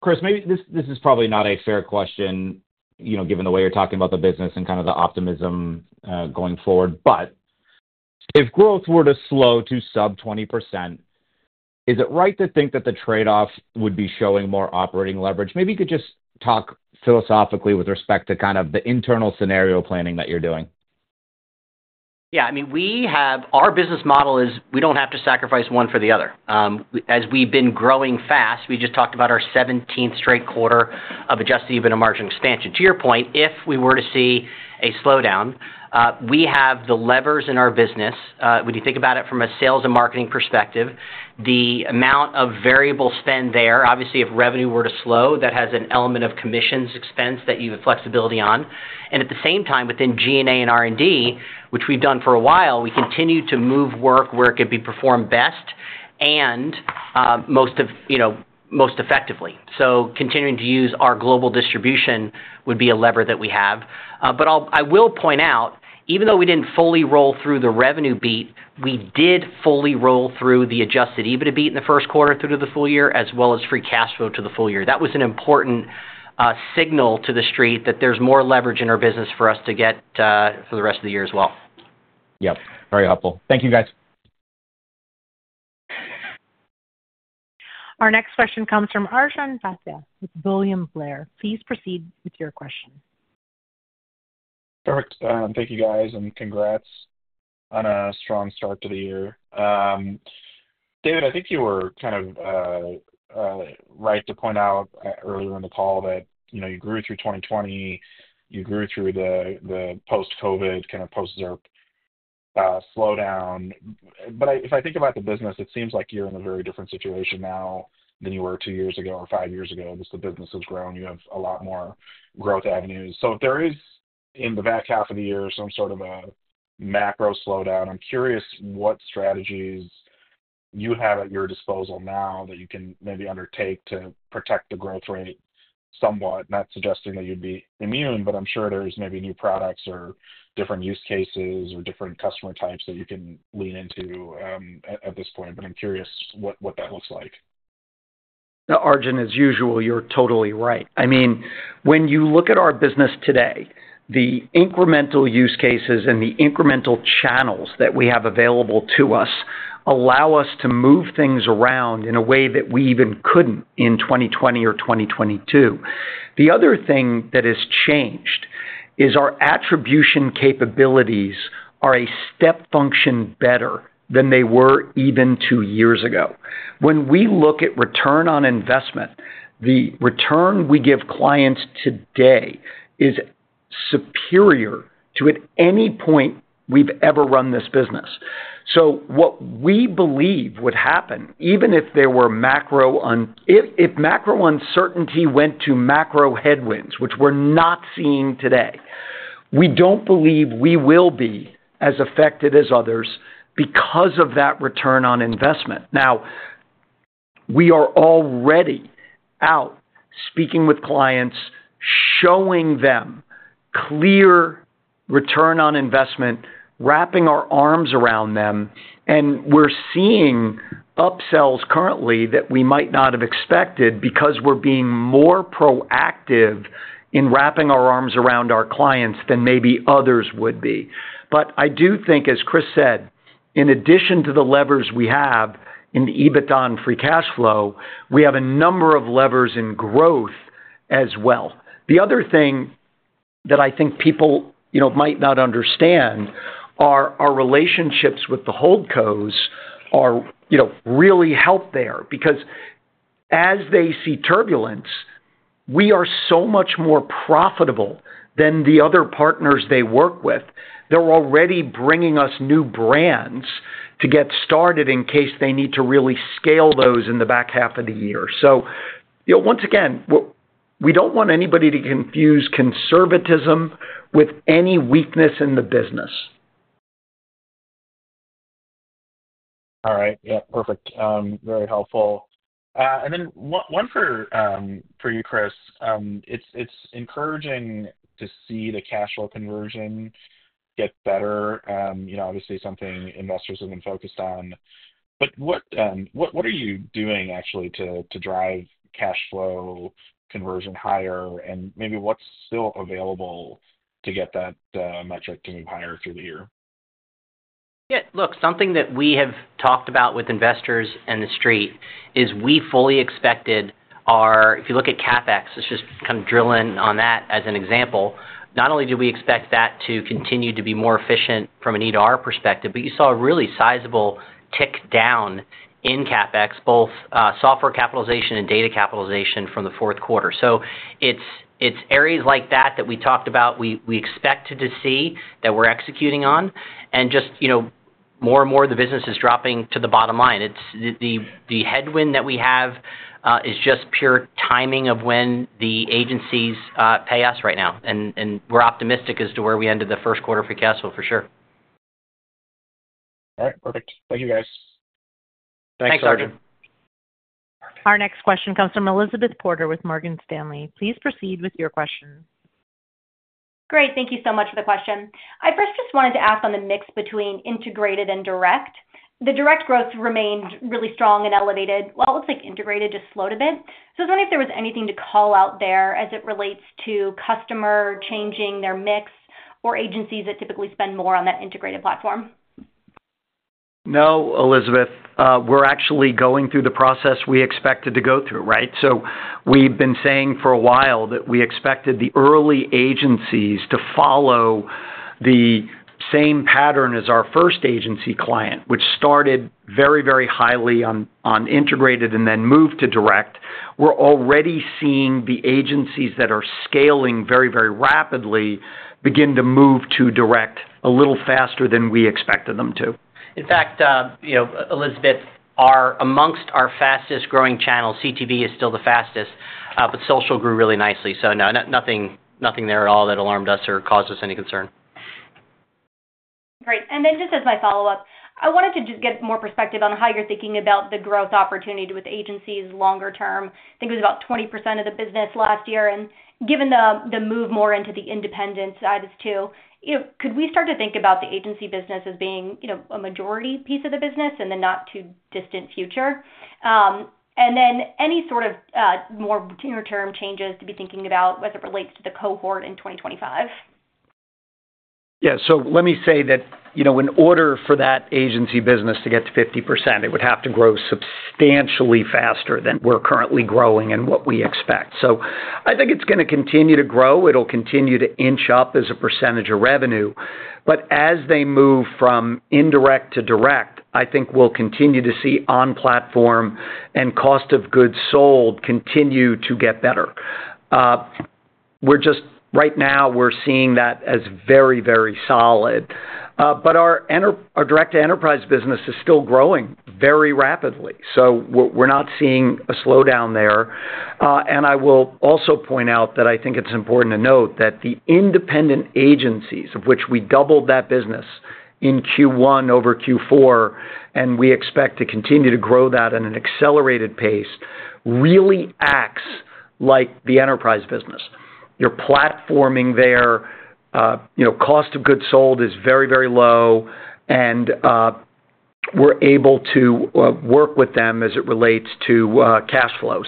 Chris, this is probably not a fair question given the way you're talking about the business and kind of the optimism going forward. If growth were to slow to sub 20%, is it right to think that the trade-off would be showing more operating leverage? Maybe you could just talk philosophically with respect to kind of the internal scenario planning that you're doing. Yeah. I mean, our business model is we don't have to sacrifice one for the other. As we've been growing fast, we just talked about our 17th straight quarter of adjusted EBITDA margin expansion. To your point, if we were to see a slowdown, we have the levers in our business. When you think about it from a sales and marketing perspective, the amount of variable spend there, obviously, if revenue were to slow, that has an element of commissions expense that you have flexibility on. At the same time, within G&A and R&D, which we've done for a while, we continue to move work where it could be performed best and most effectively. Continuing to use our global distribution would be a lever that we have. I will point out, even though we did not fully roll through the revenue beat, we did fully roll through the adjusted EBITDA beat in the first quarter through to the full year as well as free cash flow to the full year. That was an important signal to the street that there's more leverage in our business for us to get for the rest of the year as well. Yep. Very helpful. Thank you, guys. Our next question comes from Arjun Bhatia of William Blair. Please proceed with your question. Perfect. Thank you, guys, and congrats on a strong start to the year. David, I think you were kind of right to point out earlier in the call that you grew through 2020. You grew through the post-COVID kind of post-zero slowdown. If I think about the business, it seems like you're in a very different situation now than you were two years ago or five years ago. Just the business has grown. You have a lot more growth avenues. If there is, in the back half of the year, some sort of a macro slowdown, I'm curious what strategies you have at your disposal now that you can maybe undertake to protect the growth rate somewhat. Not suggesting that you'd be immune, but I'm sure there's maybe new products or different use cases or different customer types that you can lean into at this point. I'm curious what that looks like. Arjun, as usual, you're totally right. I mean, when you look at our business today, the incremental use cases and the incremental channels that we have available to us allow us to move things around in a way that we even couldn't in 2020 or 2022. The other thing that has changed is our attribution capabilities are a step function better than they were even two years ago. When we look at return on investment, the return we give clients today is superior to at any point we've ever run this business. What we believe would happen, even if there were macro uncertainty went to macro headwinds, which we're not seeing today, we don't believe we will be as affected as others because of that return on investment. Now, we are already out speaking with clients, showing them clear return on investment, wrapping our arms around them. We're seeing upsells currently that we might not have expected because we're being more proactive in wrapping our arms around our clients than maybe others would be. I do think, as Chris said, in addition to the levers we have in the EBITDA and free cash flow, we have a number of levers in growth as well. The other thing that I think people might not understand are our relationships with the hold cos really help there because as they see turbulence, we are so much more profitable than the other partners they work with. They're already bringing us new brands to get started in case they need to really scale those in the back half of the year. Once again, we don't want anybody to confuse conservatism with any weakness in the business. All right. Yep. Perfect. Very helpful. And then one for you, Chris. It's encouraging to see the cash flow conversion get better, obviously something investors have been focused on. What are you doing actually to drive cash flow conversion higher? Maybe what's still available to get that metric to move higher through the year? Yeah. Look, something that we have talked about with investors and the street is we fully expected our if you look at CapEx, let's just kind of drill in on that as an example. Not only do we expect that to continue to be more efficient from an EDR perspective, but you saw a really sizable tick down in CapEx, both software capitalization and data capitalization from the fourth quarter. It is areas like that that we talked about we expect to see that we are executing on. Just more and more of the business is dropping to the bottom line. The headwind that we have is just pure timing of when the agencies pay us right now. We are optimistic as to where we ended the first quarter for cash flow, for sure. All right. Perfect. Thank you, guys. Thanks, Arjun. Perfect. Our next question comes from Elizabeth Porter with Morgan Stanley. Please proceed with your question. Great. Thank you so much for the question. I first just wanted to ask on the mix between integrated and direct. The direct growth remained really strong and elevated. It looks like integrated just slowed a bit. I was wondering if there was anything to call out there as it relates to customer changing their mix or agencies that typically spend more on that integrated platform. No, Elizabeth. We are actually going through the process we expected to go through. Right? We have been saying for a while that we expected the early agencies to follow the same pattern as our first agency client, which started very, very highly on integrated and then moved to direct. We're already seeing the agencies that are scaling very, very rapidly begin to move to direct a little faster than we expected them to. In fact, Elizabeth, amongst our fastest-growing channels, CTV is still the fastest, but social grew really nicely. No, nothing there at all that alarmed us or caused us any concern. Great. Just as my follow-up, I wanted to just get more perspective on how you're thinking about the growth opportunity with agencies longer term. I think it was about 20% of the business last year. Given the move more into the independent side as too, could we start to think about the agency business as being a majority piece of the business in the not-too-distant future? Any sort of more near-term changes to be thinking about as it relates to the cohort in 2025? Yeah. Let me say that in order for that agency business to get to 50%, it would have to grow substantially faster than we're currently growing and what we expect. I think it's going to continue to grow. It'll continue to inch up as a percentage of revenue. As they move from indirect to direct, I think we'll continue to see on-platform and cost of goods sold continue to get better. Right now, we're seeing that as very, very solid. Our direct-to-enterprise business is still growing very rapidly. We're not seeing a slowdown there. I will also point out that I think it's important to note that the independent agencies, of which we doubled that business in Q1 over Q4, and we expect to continue to grow that at an accelerated pace, really acts like the enterprise business. You're platforming there. Cost of goods sold is very, very low, and we're able to work with them as it relates to cash flow.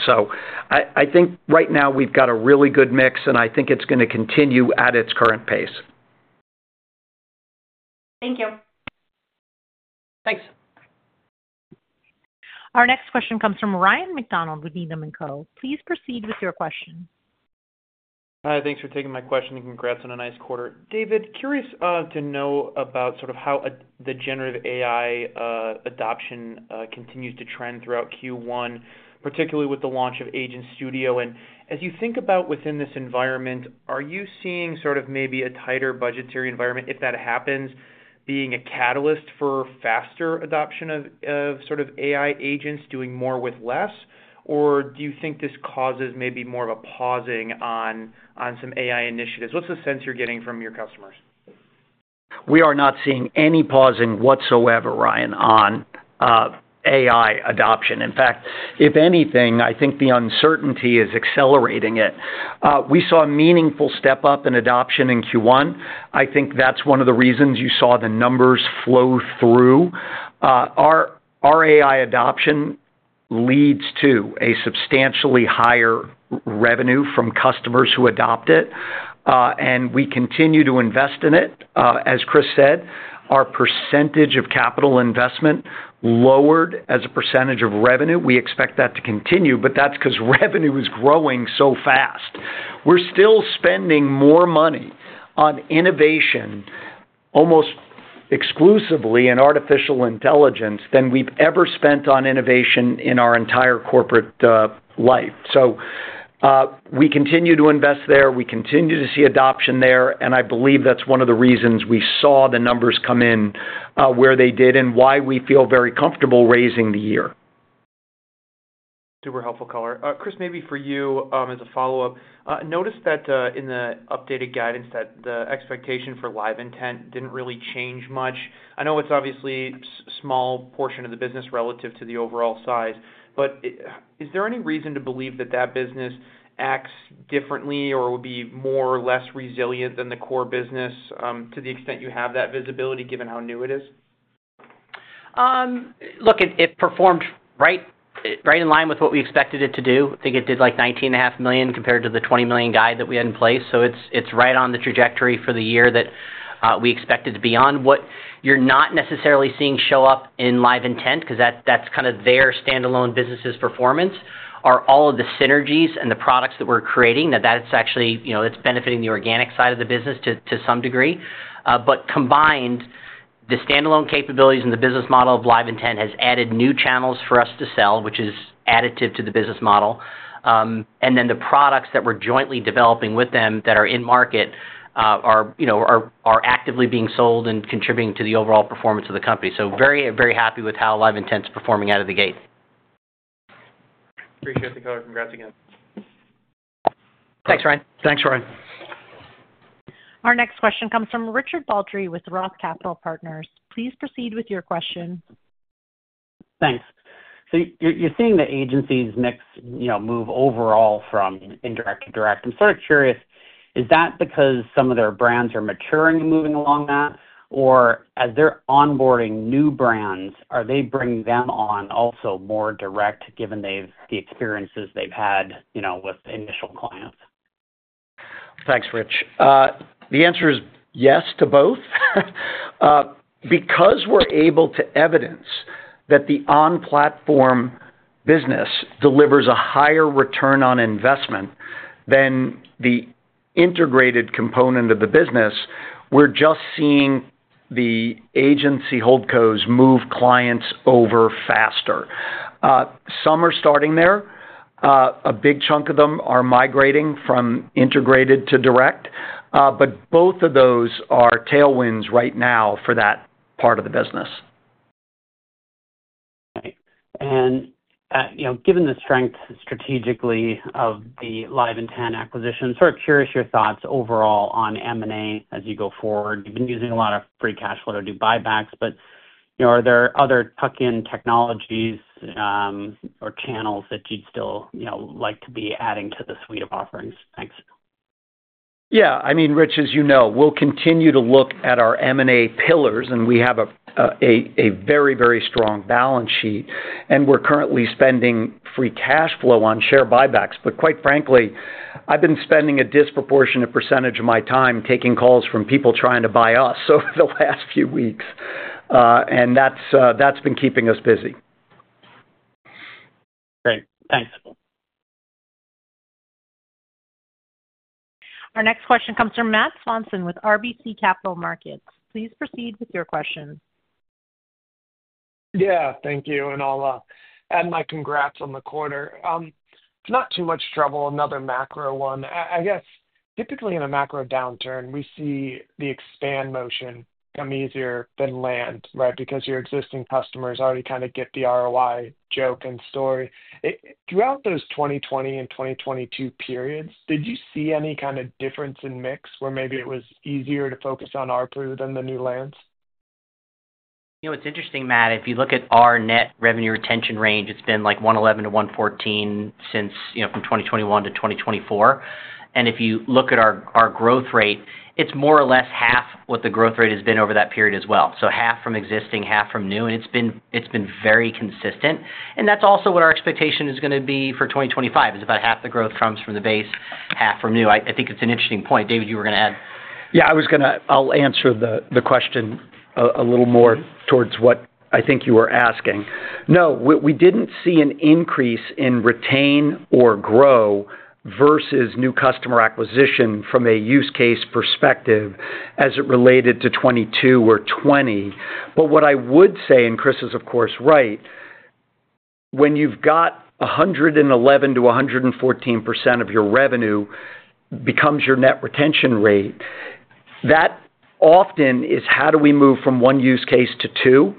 I think right now we've got a really good mix, and I think it's going to continue at its current pace. Thank you. Thanks. Our next question comes from Ryan MacDonald with Needham & Co. Please proceed with your question. Hi. Thanks for taking my question and congrats on a nice quarter. David, curious to know about sort of how the generative AI adoption continues to trend throughout Q1, particularly with the launch of Agent Studio. As you think about within this environment, are you seeing sort of maybe a tighter budgetary environment, if that happens, being a catalyst for faster adoption of sort of AI agents doing more with less? Or do you think this causes maybe more of a pausing on some AI initiatives? What's the sense you're getting from your customers? We are not seeing any pausing whatsoever, Ryan, on AI adoption. In fact, if anything, I think the uncertainty is accelerating it. We saw a meaningful step-up in adoption in Q1. I think that's one of the reasons you saw the numbers flow through. Our AI adoption leads to a substantially higher revenue from customers who adopt it. We continue to invest in it. As Chris said, our percentage of capital investment lowered as a percentage of revenue. We expect that to continue, but that's because revenue is growing so fast. We're still spending more money on innovation almost exclusively in artificial intelligence than we've ever spent on innovation in our entire corporate life. We continue to invest there. We continue to see adoption there. I believe that's one of the reasons we saw the numbers come in where they did and why we feel very comfortable raising the year. Super helpful, Coller. Chris, maybe for you as a follow-up, noticed that in the updated guidance that the expectation for Live Intent didn't really change much. I know it's obviously a small portion of the business relative to the overall size. Is there any reason to believe that that business acts differently or would be more or less resilient than the core business to the extent you have that visibility given how new it is? Look, it performed right in line with what we expected it to do. I think it did like $19.5 million compared to the $20 million guide that we had in place. It is right on the trajectory for the year that we expected to be on. What you are not necessarily seeing show up in Live Intent because that is kind of their standalone business's performance are all of the synergies and the products that we are creating that are actually benefiting the organic side of the business to some degree. Combined, the standalone capabilities and the business model of Live Intent have added new channels for us to sell, which is additive to the business model. The products that we are jointly developing with them that are in market are actively being sold and contributing to the overall performance of the company. Very, very happy with how Live Intent is performing out of the gate. Appreciate the color. Congrats again. Thanks, Ryan. Thanks, Ryan. Our next question comes from Richard Baldry with Roth Capital Partners. Please proceed with your question. Thanks. You're seeing the agencies' mix move overall from indirect to direct. I'm sort of curious, is that because some of their brands are maturing and moving along that? Or as they're onboarding new brands, are they bringing them on also more direct given the experiences they've had with initial clients? Thanks, Rich. The answer is yes to both. Because we're able to evidence that the on-platform business delivers a higher return on investment than the integrated component of the business, we're just seeing the agency hold cos move clients over faster. Some are starting there. A big chunk of them are migrating from integrated to direct. Both of those are tailwinds right now for that part of the business. Right. Given the strength strategically of the Live Intent acquisition, sort of curious your thoughts overall on M&A as you go forward. You've been using a lot of free cash flow to do buybacks. Are there other tuck-in technologies or channels that you'd still like to be adding to the suite of offerings? Thanks. Yeah. I mean, Rich, as you know, we'll continue to look at our M&A pillars, and we have a very, very strong balance sheet. We're currently spending free cash flow on share buybacks. Quite frankly, I've been spending a disproportionate percentage of my time taking calls from people trying to buy us over the last few weeks. That's been keeping us busy. Great. Thanks. Our next question comes from Matt Swanson with RBC Capital Markets. Please proceed with your question. Yeah. Thank you. I'll add my congrats on the quarter. If it's not too much trouble, another macro one. I guess typically in a macro downturn, we see the expand motion come easier than land, right, because your existing customers already kind of get the ROI joke and story. Throughout those 2020 and 2022 periods, did you see any kind of difference in mix where maybe it was easier to focus on our crew than the new lands? It's interesting, Matt, if you look at our net revenue retention range, it's been like 111-114 from 2021 to 2024. If you look at our growth rate, it's more or less half what the growth rate has been over that period as well. Half from existing, half from new. It's been very consistent. That's also what our expectation is going to be for 2025, is about half the growth comes from the base, half from new. I think it's an interesting point. David, you were going to add? Yeah. I'll answer the question a little more towards what I think you were asking. No, we didn't see an increase in retain or grow versus new customer acquisition from a use case perspective as it related to 2022 or 2020. But what I would say, and Chris is, of course, right, when you've got 111%-114% of your revenue becomes your net retention rate, that often is how do we move from one use case to two.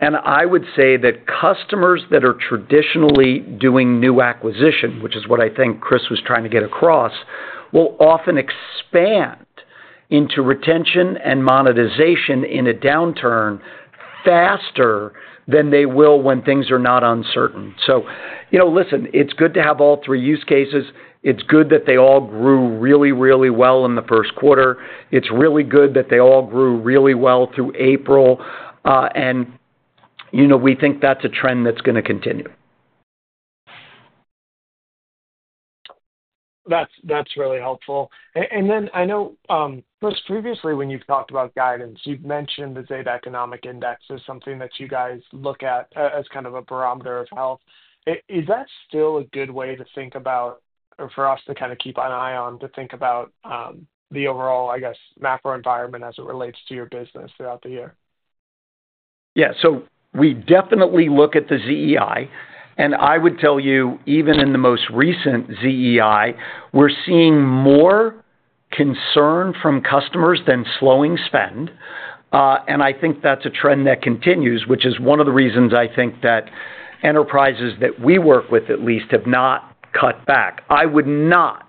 And I would say that customers that are traditionally doing new acquisition, which is what I think Chris was trying to get across, will often expand into retention and monetization in a downturn faster than they will when things are not uncertain. Listen, it's good to have all three use cases. It's good that they all grew really, really well in the first quarter. It's really good that they all grew really well through April. We think that's a trend that's going to continue. That's really helpful. I know most previously when you've talked about guidance, you've mentioned the Zeta Economic Index as something that you guys look at as kind of a barometer of health. Is that still a good way to think about or for us to kind of keep an eye on to think about the overall, I guess, macro environment as it relates to your business throughout the year? Yeah. We definitely look at the ZEI. I would tell you, even in the most recent ZEI, we're seeing more concern from customers than slowing spend. I think that's a trend that continues, which is one of the reasons I think that enterprises that we work with at least have not cut back. I would not,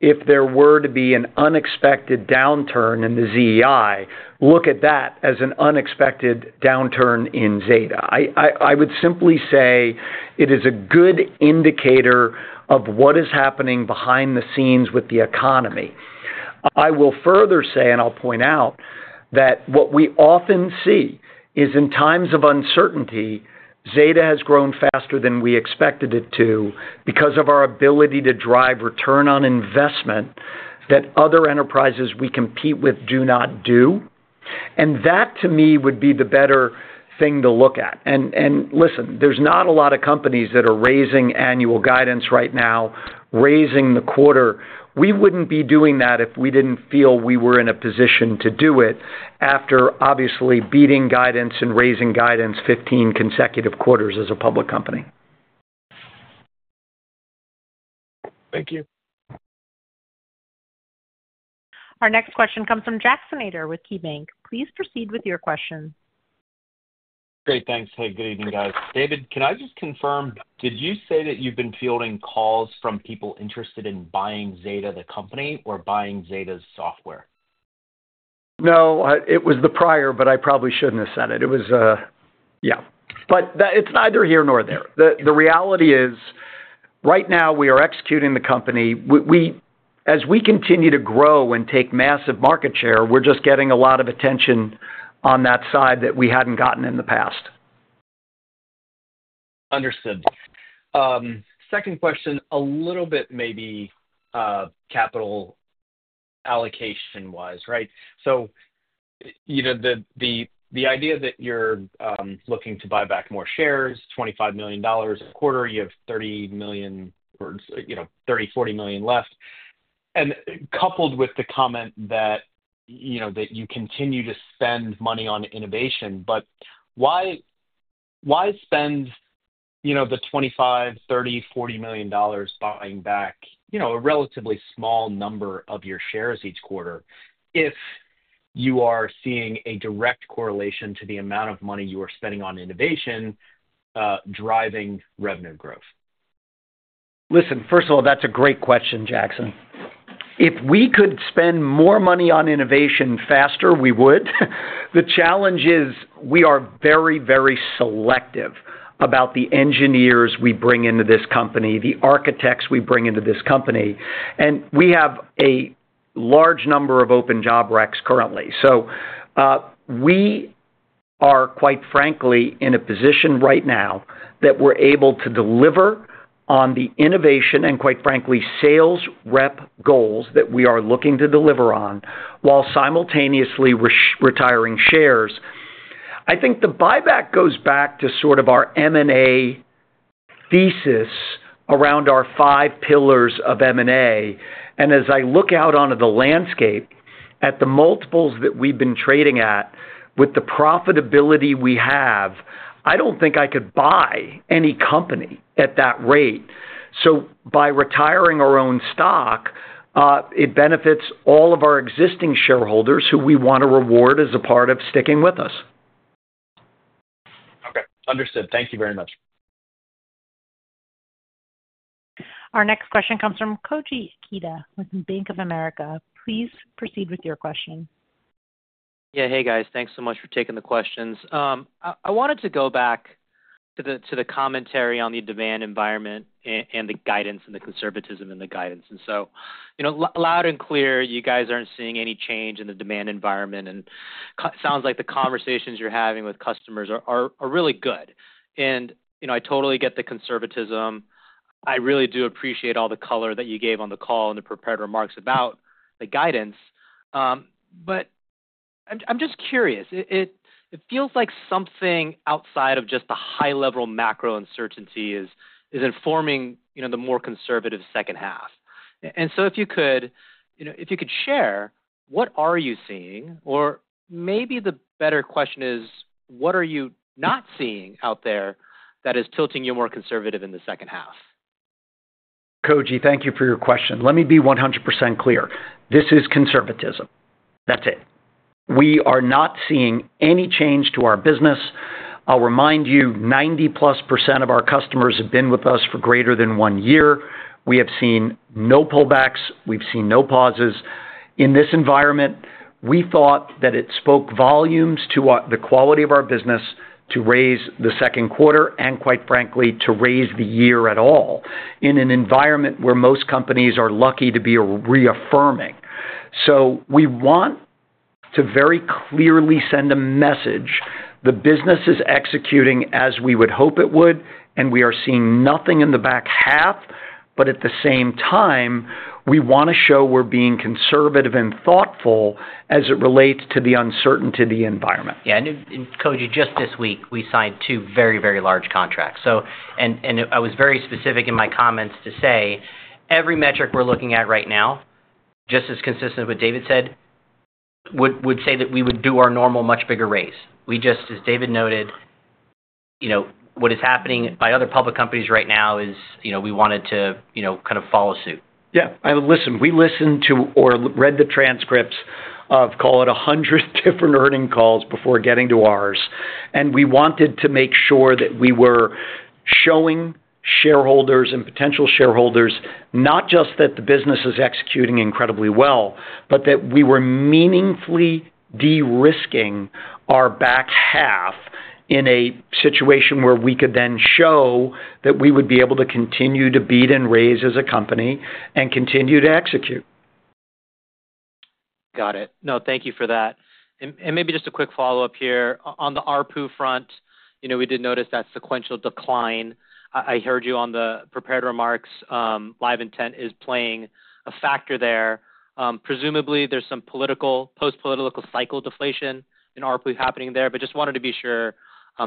if there were to be an unexpected downturn in the ZEI, look at that as an unexpected downturn in Zeta. I would simply say it is a good indicator of what is happening behind the scenes with the economy. I will further say, and I'll point out that what we often see is in times of uncertainty, Zeta has grown faster than we expected it to because of our ability to drive return on investment that other enterprises we compete with do not do. That, to me, would be the better thing to look at. Listen, there's not a lot of companies that are raising annual guidance right now, raising the quarter. We wouldn't be doing that if we didn't feel we were in a position to do it after, obviously, beating guidance and raising guidance 15 consecutive quarters as a public company. Thank you. Our next question comes from Jackson Ader with KeyBanc. Please proceed with your question. Great. Thanks. Hey, good evening, guys. David, can I just confirm, did you say that you've been fielding calls from people interested in buying Zeta, the company, or buying Zeta's software? No. It was the prior, but I probably shouldn't have said it. Yeah. But it's neither here nor there. The reality is, right now, we are executing the company. As we continue to grow and take massive market share, we're just getting a lot of attention on that side that we hadn't gotten in the past. Understood. Second question, a little bit maybe capital allocation-wise, right? The idea that you're looking to buy back more shares, $25 million a quarter, you have $30 million or $30-$40 million left. Coupled with the comment that you continue to spend money on innovation, why spend the $25-$30-$40 million buying back a relatively small number of your shares each quarter if you are seeing a direct correlation to the amount of money you are spending on innovation driving revenue growth? Listen, first of all, that's a great question, Jackson. If we could spend more money on innovation faster, we would. The challenge is we are very, very selective about the engineers we bring into this company, the architects we bring into this company. We have a large number of open job recs currently. We are, quite frankly, in a position right now that we're able to deliver on the innovation and, quite frankly, sales rep goals that we are looking to deliver on while simultaneously retiring shares. I think the buyback goes back to sort of our M&A thesis around our five pillars of M&A. As I look out onto the landscape at the multiples that we've been trading at with the profitability we have, I don't think I could buy any company at that rate. By retiring our own stock, it benefits all of our existing shareholders who we want to reward as a part of sticking with us. Okay. Understood. Thank you very much. Our next question comes from Koji Akita with Bank of America. Please proceed with your question. Yeah. Hey, guys. Thanks so much for taking the questions. I wanted to go back to the commentary on the demand environment and the guidance and the conservatism in the guidance. Loud and clear, you guys aren't seeing any change in the demand environment. It sounds like the conversations you're having with customers are really good. I totally get the conservatism. I really do appreciate all the color that you gave on the call and the prepared remarks about the guidance. I'm just curious. It feels like something outside of just the high-level macro uncertainty is informing the more conservative second half. If you could, if you could share, what are you seeing? Or maybe the better question is, what are you not seeing out there that is tilting you more conservative in the second half? Koji, thank you for your question. Let me be 100% clear. This is conservatism. That's it. We are not seeing any change to our business. I'll remind you, 90+% of our customers have been with us for greater than one year. We have seen no pullbacks. We've seen no pauses. In this environment, we thought that it spoke volumes to the quality of our business to raise the second quarter and, quite frankly, to raise the year at all in an environment where most companies are lucky to be reaffirming. We want to very clearly send a message. The business is executing as we would hope it would, and we are seeing nothing in the back half. At the same time, we want to show we're being conservative and thoughtful as it relates to the uncertainty of the environment. Yeah. Koji, just this week, we signed two very, very large contracts. I was very specific in my comments to say every metric we're looking at right now, just as consistent with what David said, would say that we would do our normal much bigger raise. As David noted, what is happening by other public companies right now is we wanted to kind of follow suit. Yeah. Listen, we listened to or read the transcripts of, call it, 100 different earning calls before getting to ours. We wanted to make sure that we were showing shareholders and potential shareholders not just that the business is executing incredibly well, but that we were meaningfully de-risking our back half in a situation where we could then show that we would be able to continue to beat and raise as a company and continue to execute. Got it. No, thank you for that. Maybe just a quick follow-up here. On the ARPU front, we did notice that sequential decline. I heard you on the prepared remarks. Live Intent is playing a factor there. Presumably, there's some post-political cycle deflation in ARPU happening there. Just wanted to be sure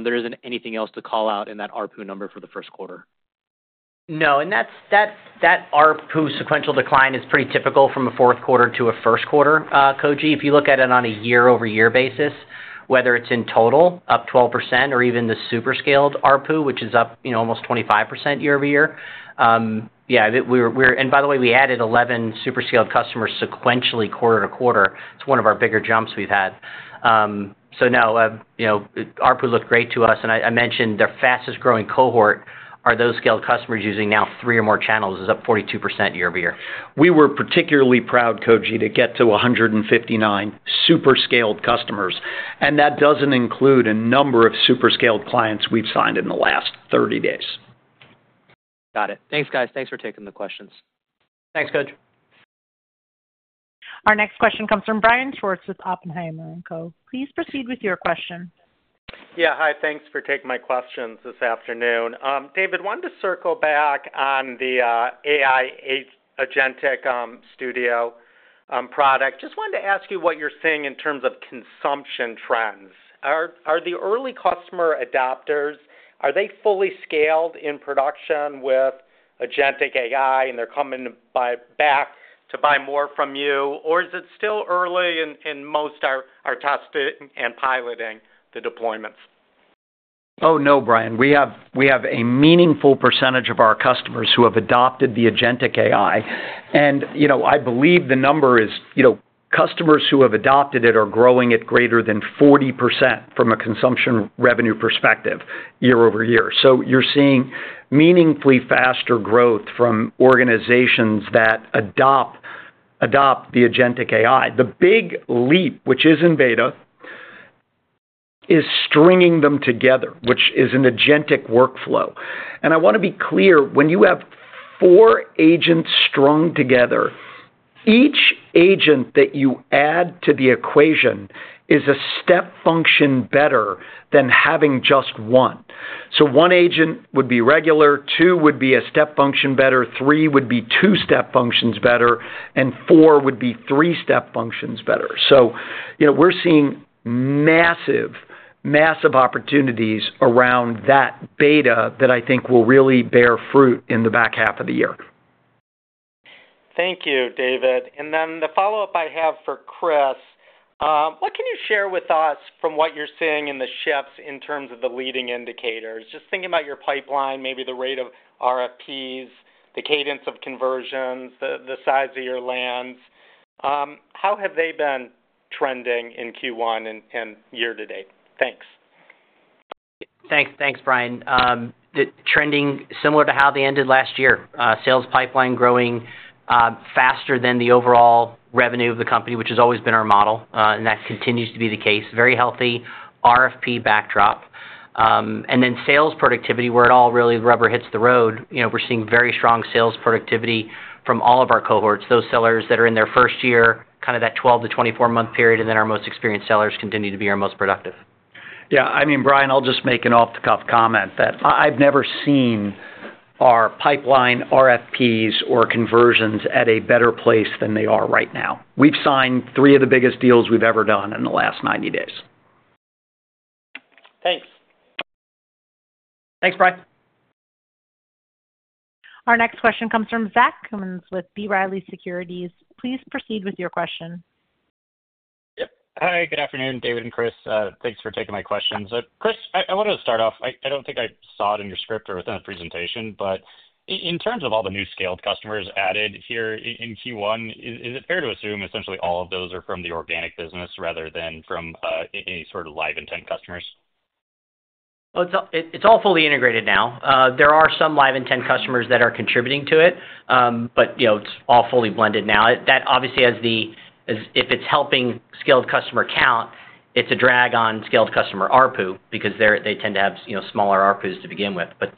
there isn't anything else to call out in that ARPU number for the first quarter. No. That ARPU sequential decline is pretty typical from a fourth quarter to a first quarter, Koji. If you look at it on a year-over-year basis, whether it's in total up 12% or even the super-scaled ARPU, which is up almost 25% year-over-year. Yeah. By the way, we added 11 super-scaled customers sequentially quarter to quarter. It's one of our bigger jumps we've had. No, ARPU looked great to us. I mentioned their fastest-growing cohort are those scaled customers using now three or more channels is up 42% year-over-year. We were particularly proud, Koji, to get to 159 super-scaled customers. That does not include a number of super-scaled clients we have signed in the last 30 days. Got it. Thanks, guys. Thanks for taking the questions. Thanks, Koji. Our next question comes from Brian Schwartz with Oppenheimer & Co. Please proceed with your question. Yeah. Hi. Thanks for taking my questions this afternoon. David, I wanted to circle back on the AI Agentic Studio product. Just wanted to ask you what you are seeing in terms of consumption trends. Are the early customer adopters, are they fully scaled in production with Agentic AI and they are coming back to buy more from you, or is it still early in most are testing and piloting the deployments? Oh, no, Brian. We have a meaningful percentage of our customers who have adopted the Agentic AI. I believe the number is customers who have adopted it are growing at greater than 40% from a consumption revenue perspective year-over-year. You are seeing meaningfully faster growth from organizations that adopt the Agentic AI. The big leap, which is in beta, is stringing them together, which is an agentic workflow. I want to be clear, when you have four agents strung together, each agent that you add to the equation is a step function better than having just one. One agent would be regular, two would be a step function better, three would be two step functions better, and four would be three step functions better. We are seeing massive, massive opportunities around that beta that I think will really bear fruit in the back half of the year. Thank you, David. And then the follow-up I have for Chris, what can you share with us from what you're seeing in the shifts in terms of the leading indicators? Just thinking about your pipeline, maybe the rate of RFPs, the cadence of conversions, the size of your lands. How have they been trending in Q1 and year to date? Thanks. Thanks, Brian. Trending similar to how they ended last year. Sales pipeline growing faster than the overall revenue of the company, which has always been our model. That continues to be the case. Very healthy RFP backdrop. Sales productivity, where it all really rubber hits the road, we're seeing very strong sales productivity from all of our cohorts. Those sellers that are in their first year, kind of that 12 to 24-month period, and then our most experienced sellers continue to be our most productive. Yeah. I mean, Brian, I'll just make an off-the-cuff comment that I've never seen our pipeline RFPs or conversions at a better place than they are right now. We've signed three of the biggest deals we've ever done in the last 90 days. Thanks. Thanks, Brian. Our next question comes from Zach Cummins with B. Riley Securities. Please proceed with your question. Yep. Hi. Good afternoon, David and Chris. Thanks for taking my questions. Chris, I wanted to start off. I don't think I saw it in your script or within the presentation, but in terms of all the new scaled customers added here in Q1, is it fair to assume essentially all of those are from the organic business rather than from any sort of Live Intent customers? It's all fully integrated now. There are some Live Intent customers that are contributing to it, but it's all fully blended now. That obviously has the, if it's helping scaled customer count, it's a drag on scaled customer ARPU because they tend to have smaller ARPUs to begin with. But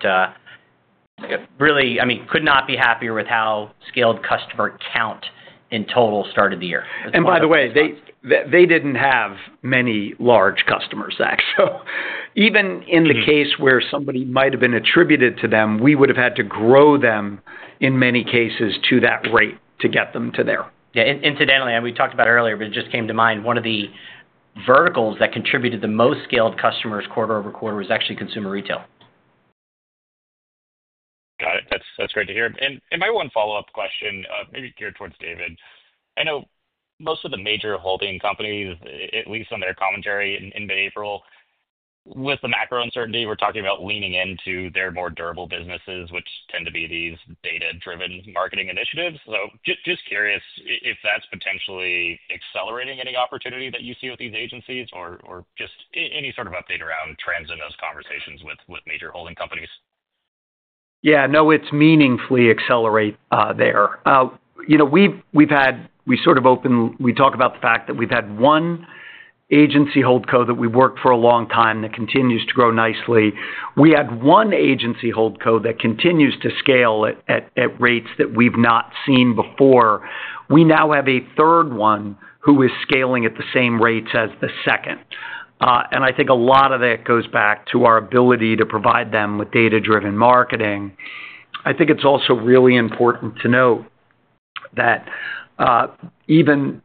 really, I mean, could not be happier with how scaled customer count in total started the year. By the way, they didn't have many large customers, Zach. Even in the case where somebody might have been attributed to them, we would have had to grow them in many cases to that rate to get them to there. Yeah. Incidentally, and we talked about it earlier, but it just came to mind, one of the verticals that contributed the most scaled customers quarter over quarter was actually consumer retail. Got it. That's great to hear. My one follow-up question, maybe geared towards David. I know most of the major holding companies, at least on their commentary in mid-April, with the macro uncertainty, were talking about leaning into their more durable businesses, which tend to be these data-driven marketing initiatives. Just curious if that's potentially accelerating any opportunity that you see with these agencies or just any sort of update around trends in those conversations with major holding companies. Yeah. No, it's meaningfully accelerating there. We sort of open, we talk about the fact that we've had one agency holdco that we've worked for a long time that continues to grow nicely. We had one agency holdco that continues to scale at rates that we've not seen before. We now have a third one who is scaling at the same rates as the second. I think a lot of that goes back to our ability to provide them with data-driven marketing. I think it's also really important to note that even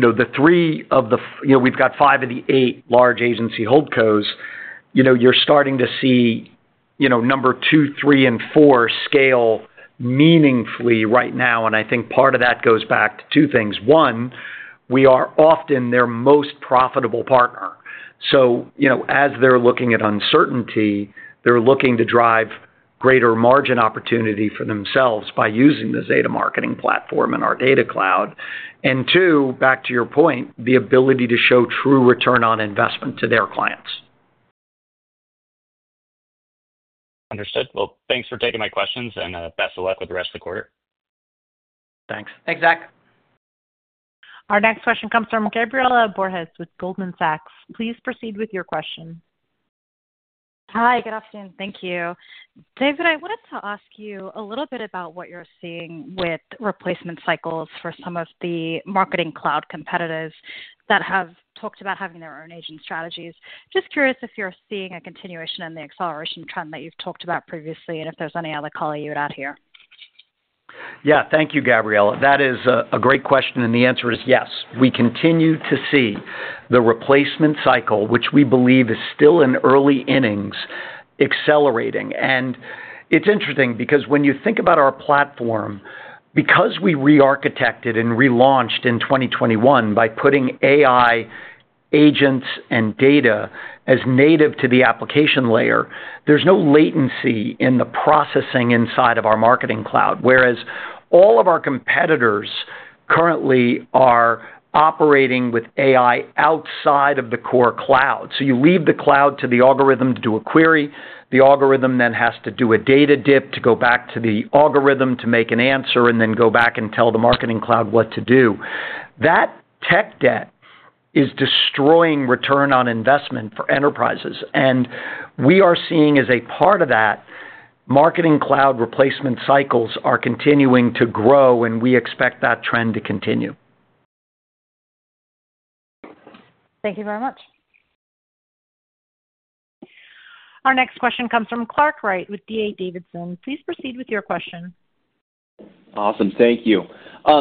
the three of the, we've got five of the eight large agency hold codes, you're starting to see number two, three, and four scale meaningfully right now. I think part of that goes back to two things. One, we are often their most profitable partner. As they're looking at uncertainty, they're looking to drive greater margin opportunity for themselves by using the Zeta Marketing Platform and our data cloud. Two, back to your point, the ability to show true ROI to their clients. Understood. Thanks for taking my questions and best of luck with the rest of the quarter. Thanks. Thanks, Zach. Our next question comes from Gabriela Borges with Goldman Sachs. Please proceed with your question. Hi. Good afternoon. Thank you. David, I wanted to ask you a little bit about what you're seeing with replacement cycles for some of the marketing cloud competitors that have talked about having their own agent strategies. Just curious if you're seeing a continuation in the acceleration trend that you've talked about previously and if there's any other color you would add here. Yeah. Thank you, Gabriela. That is a great question. The answer is yes. We continue to see the replacement cycle, which we believe is still in early innings, accelerating. It's interesting because when you think about our platform, because we re-architected and relaunched in 2021 by putting AI agents and data as native to the application layer, there's no latency in the processing inside of our marketing cloud, whereas all of our competitors currently are operating with AI outside of the core cloud. You leave the cloud to the algorithm to do a query. The algorithm then has to do a data dip to go back to the algorithm to make an answer and then go back and tell the marketing cloud what to do. That tech debt is destroying ROI for enterprises. We are seeing as a part of that, marketing cloud replacement cycles are continuing to grow, and we expect that trend to continue. Thank you very much. Our next question comes from Clark Wright with D.A. Davidson. Please proceed with your question. Awesome. Thank you.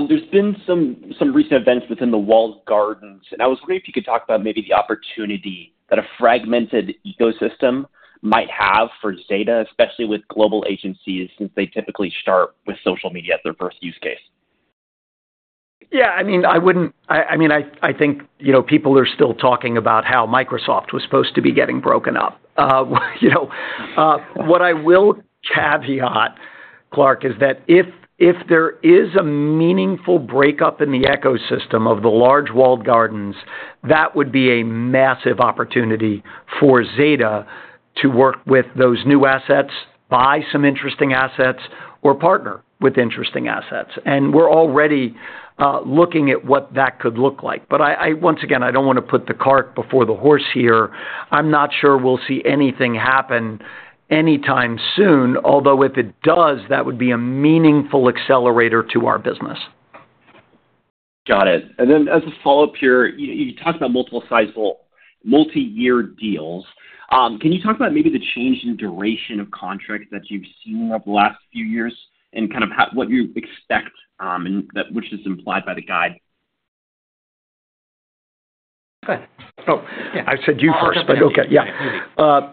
There's been some recent events within the walled gardens. I was wondering if you could talk about maybe the opportunity that a fragmented ecosystem might have for Zeta, especially with global agencies since they typically start with social media as their first use case. Yeah. I mean, I wouldn't—I mean, I think people are still talking about how Microsoft was supposed to be getting broken up. What I will caveat, Clark, is that if there is a meaningful breakup in the ecosystem of the large walled gardens, that would be a massive opportunity for Zeta to work with those new assets, buy some interesting assets, or partner with interesting assets. We are already looking at what that could look like. I do not want to put the cart before the horse here. I'm not sure we'll see anything happen anytime soon. Although if it does, that would be a meaningful accelerator to our business. Got it. As a follow-up here, you talked about multiple sizable multi-year deals. Can you talk about maybe the change in duration of contracts that you've seen over the last few years and kind of what you expect, which is implied by the guide? Go ahead. Oh, I said you first, but okay. Yeah.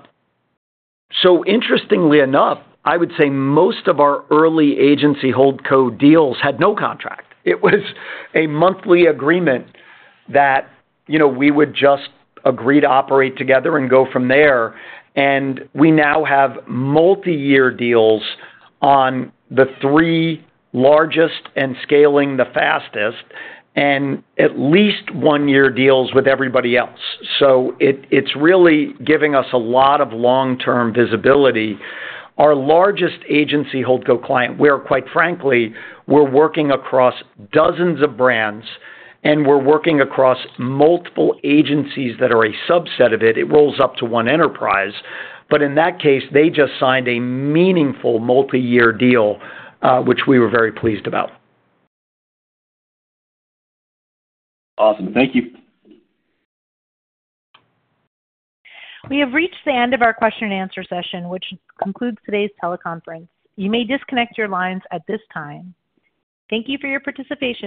Interestingly enough, I would say most of our early agency holdco deals had no contract. It was a monthly agreement that we would just agree to operate together and go from there. We now have multi-year deals on the three largest and scaling the fastest and at least one-year deals with everybody else. It is really giving us a lot of long-term visibility. Our largest agency holdco client, we're quite frankly, we're working across dozens of brands, and we're working across multiple agencies that are a subset of it. It rolls up to one enterprise. In that case, they just signed a meaningful multi-year deal, which we were very pleased about. Awesome. Thank you. We have reached the end of our question-and-answer session, which concludes today's teleconference. You may disconnect your lines at this time. Thank you for your participation.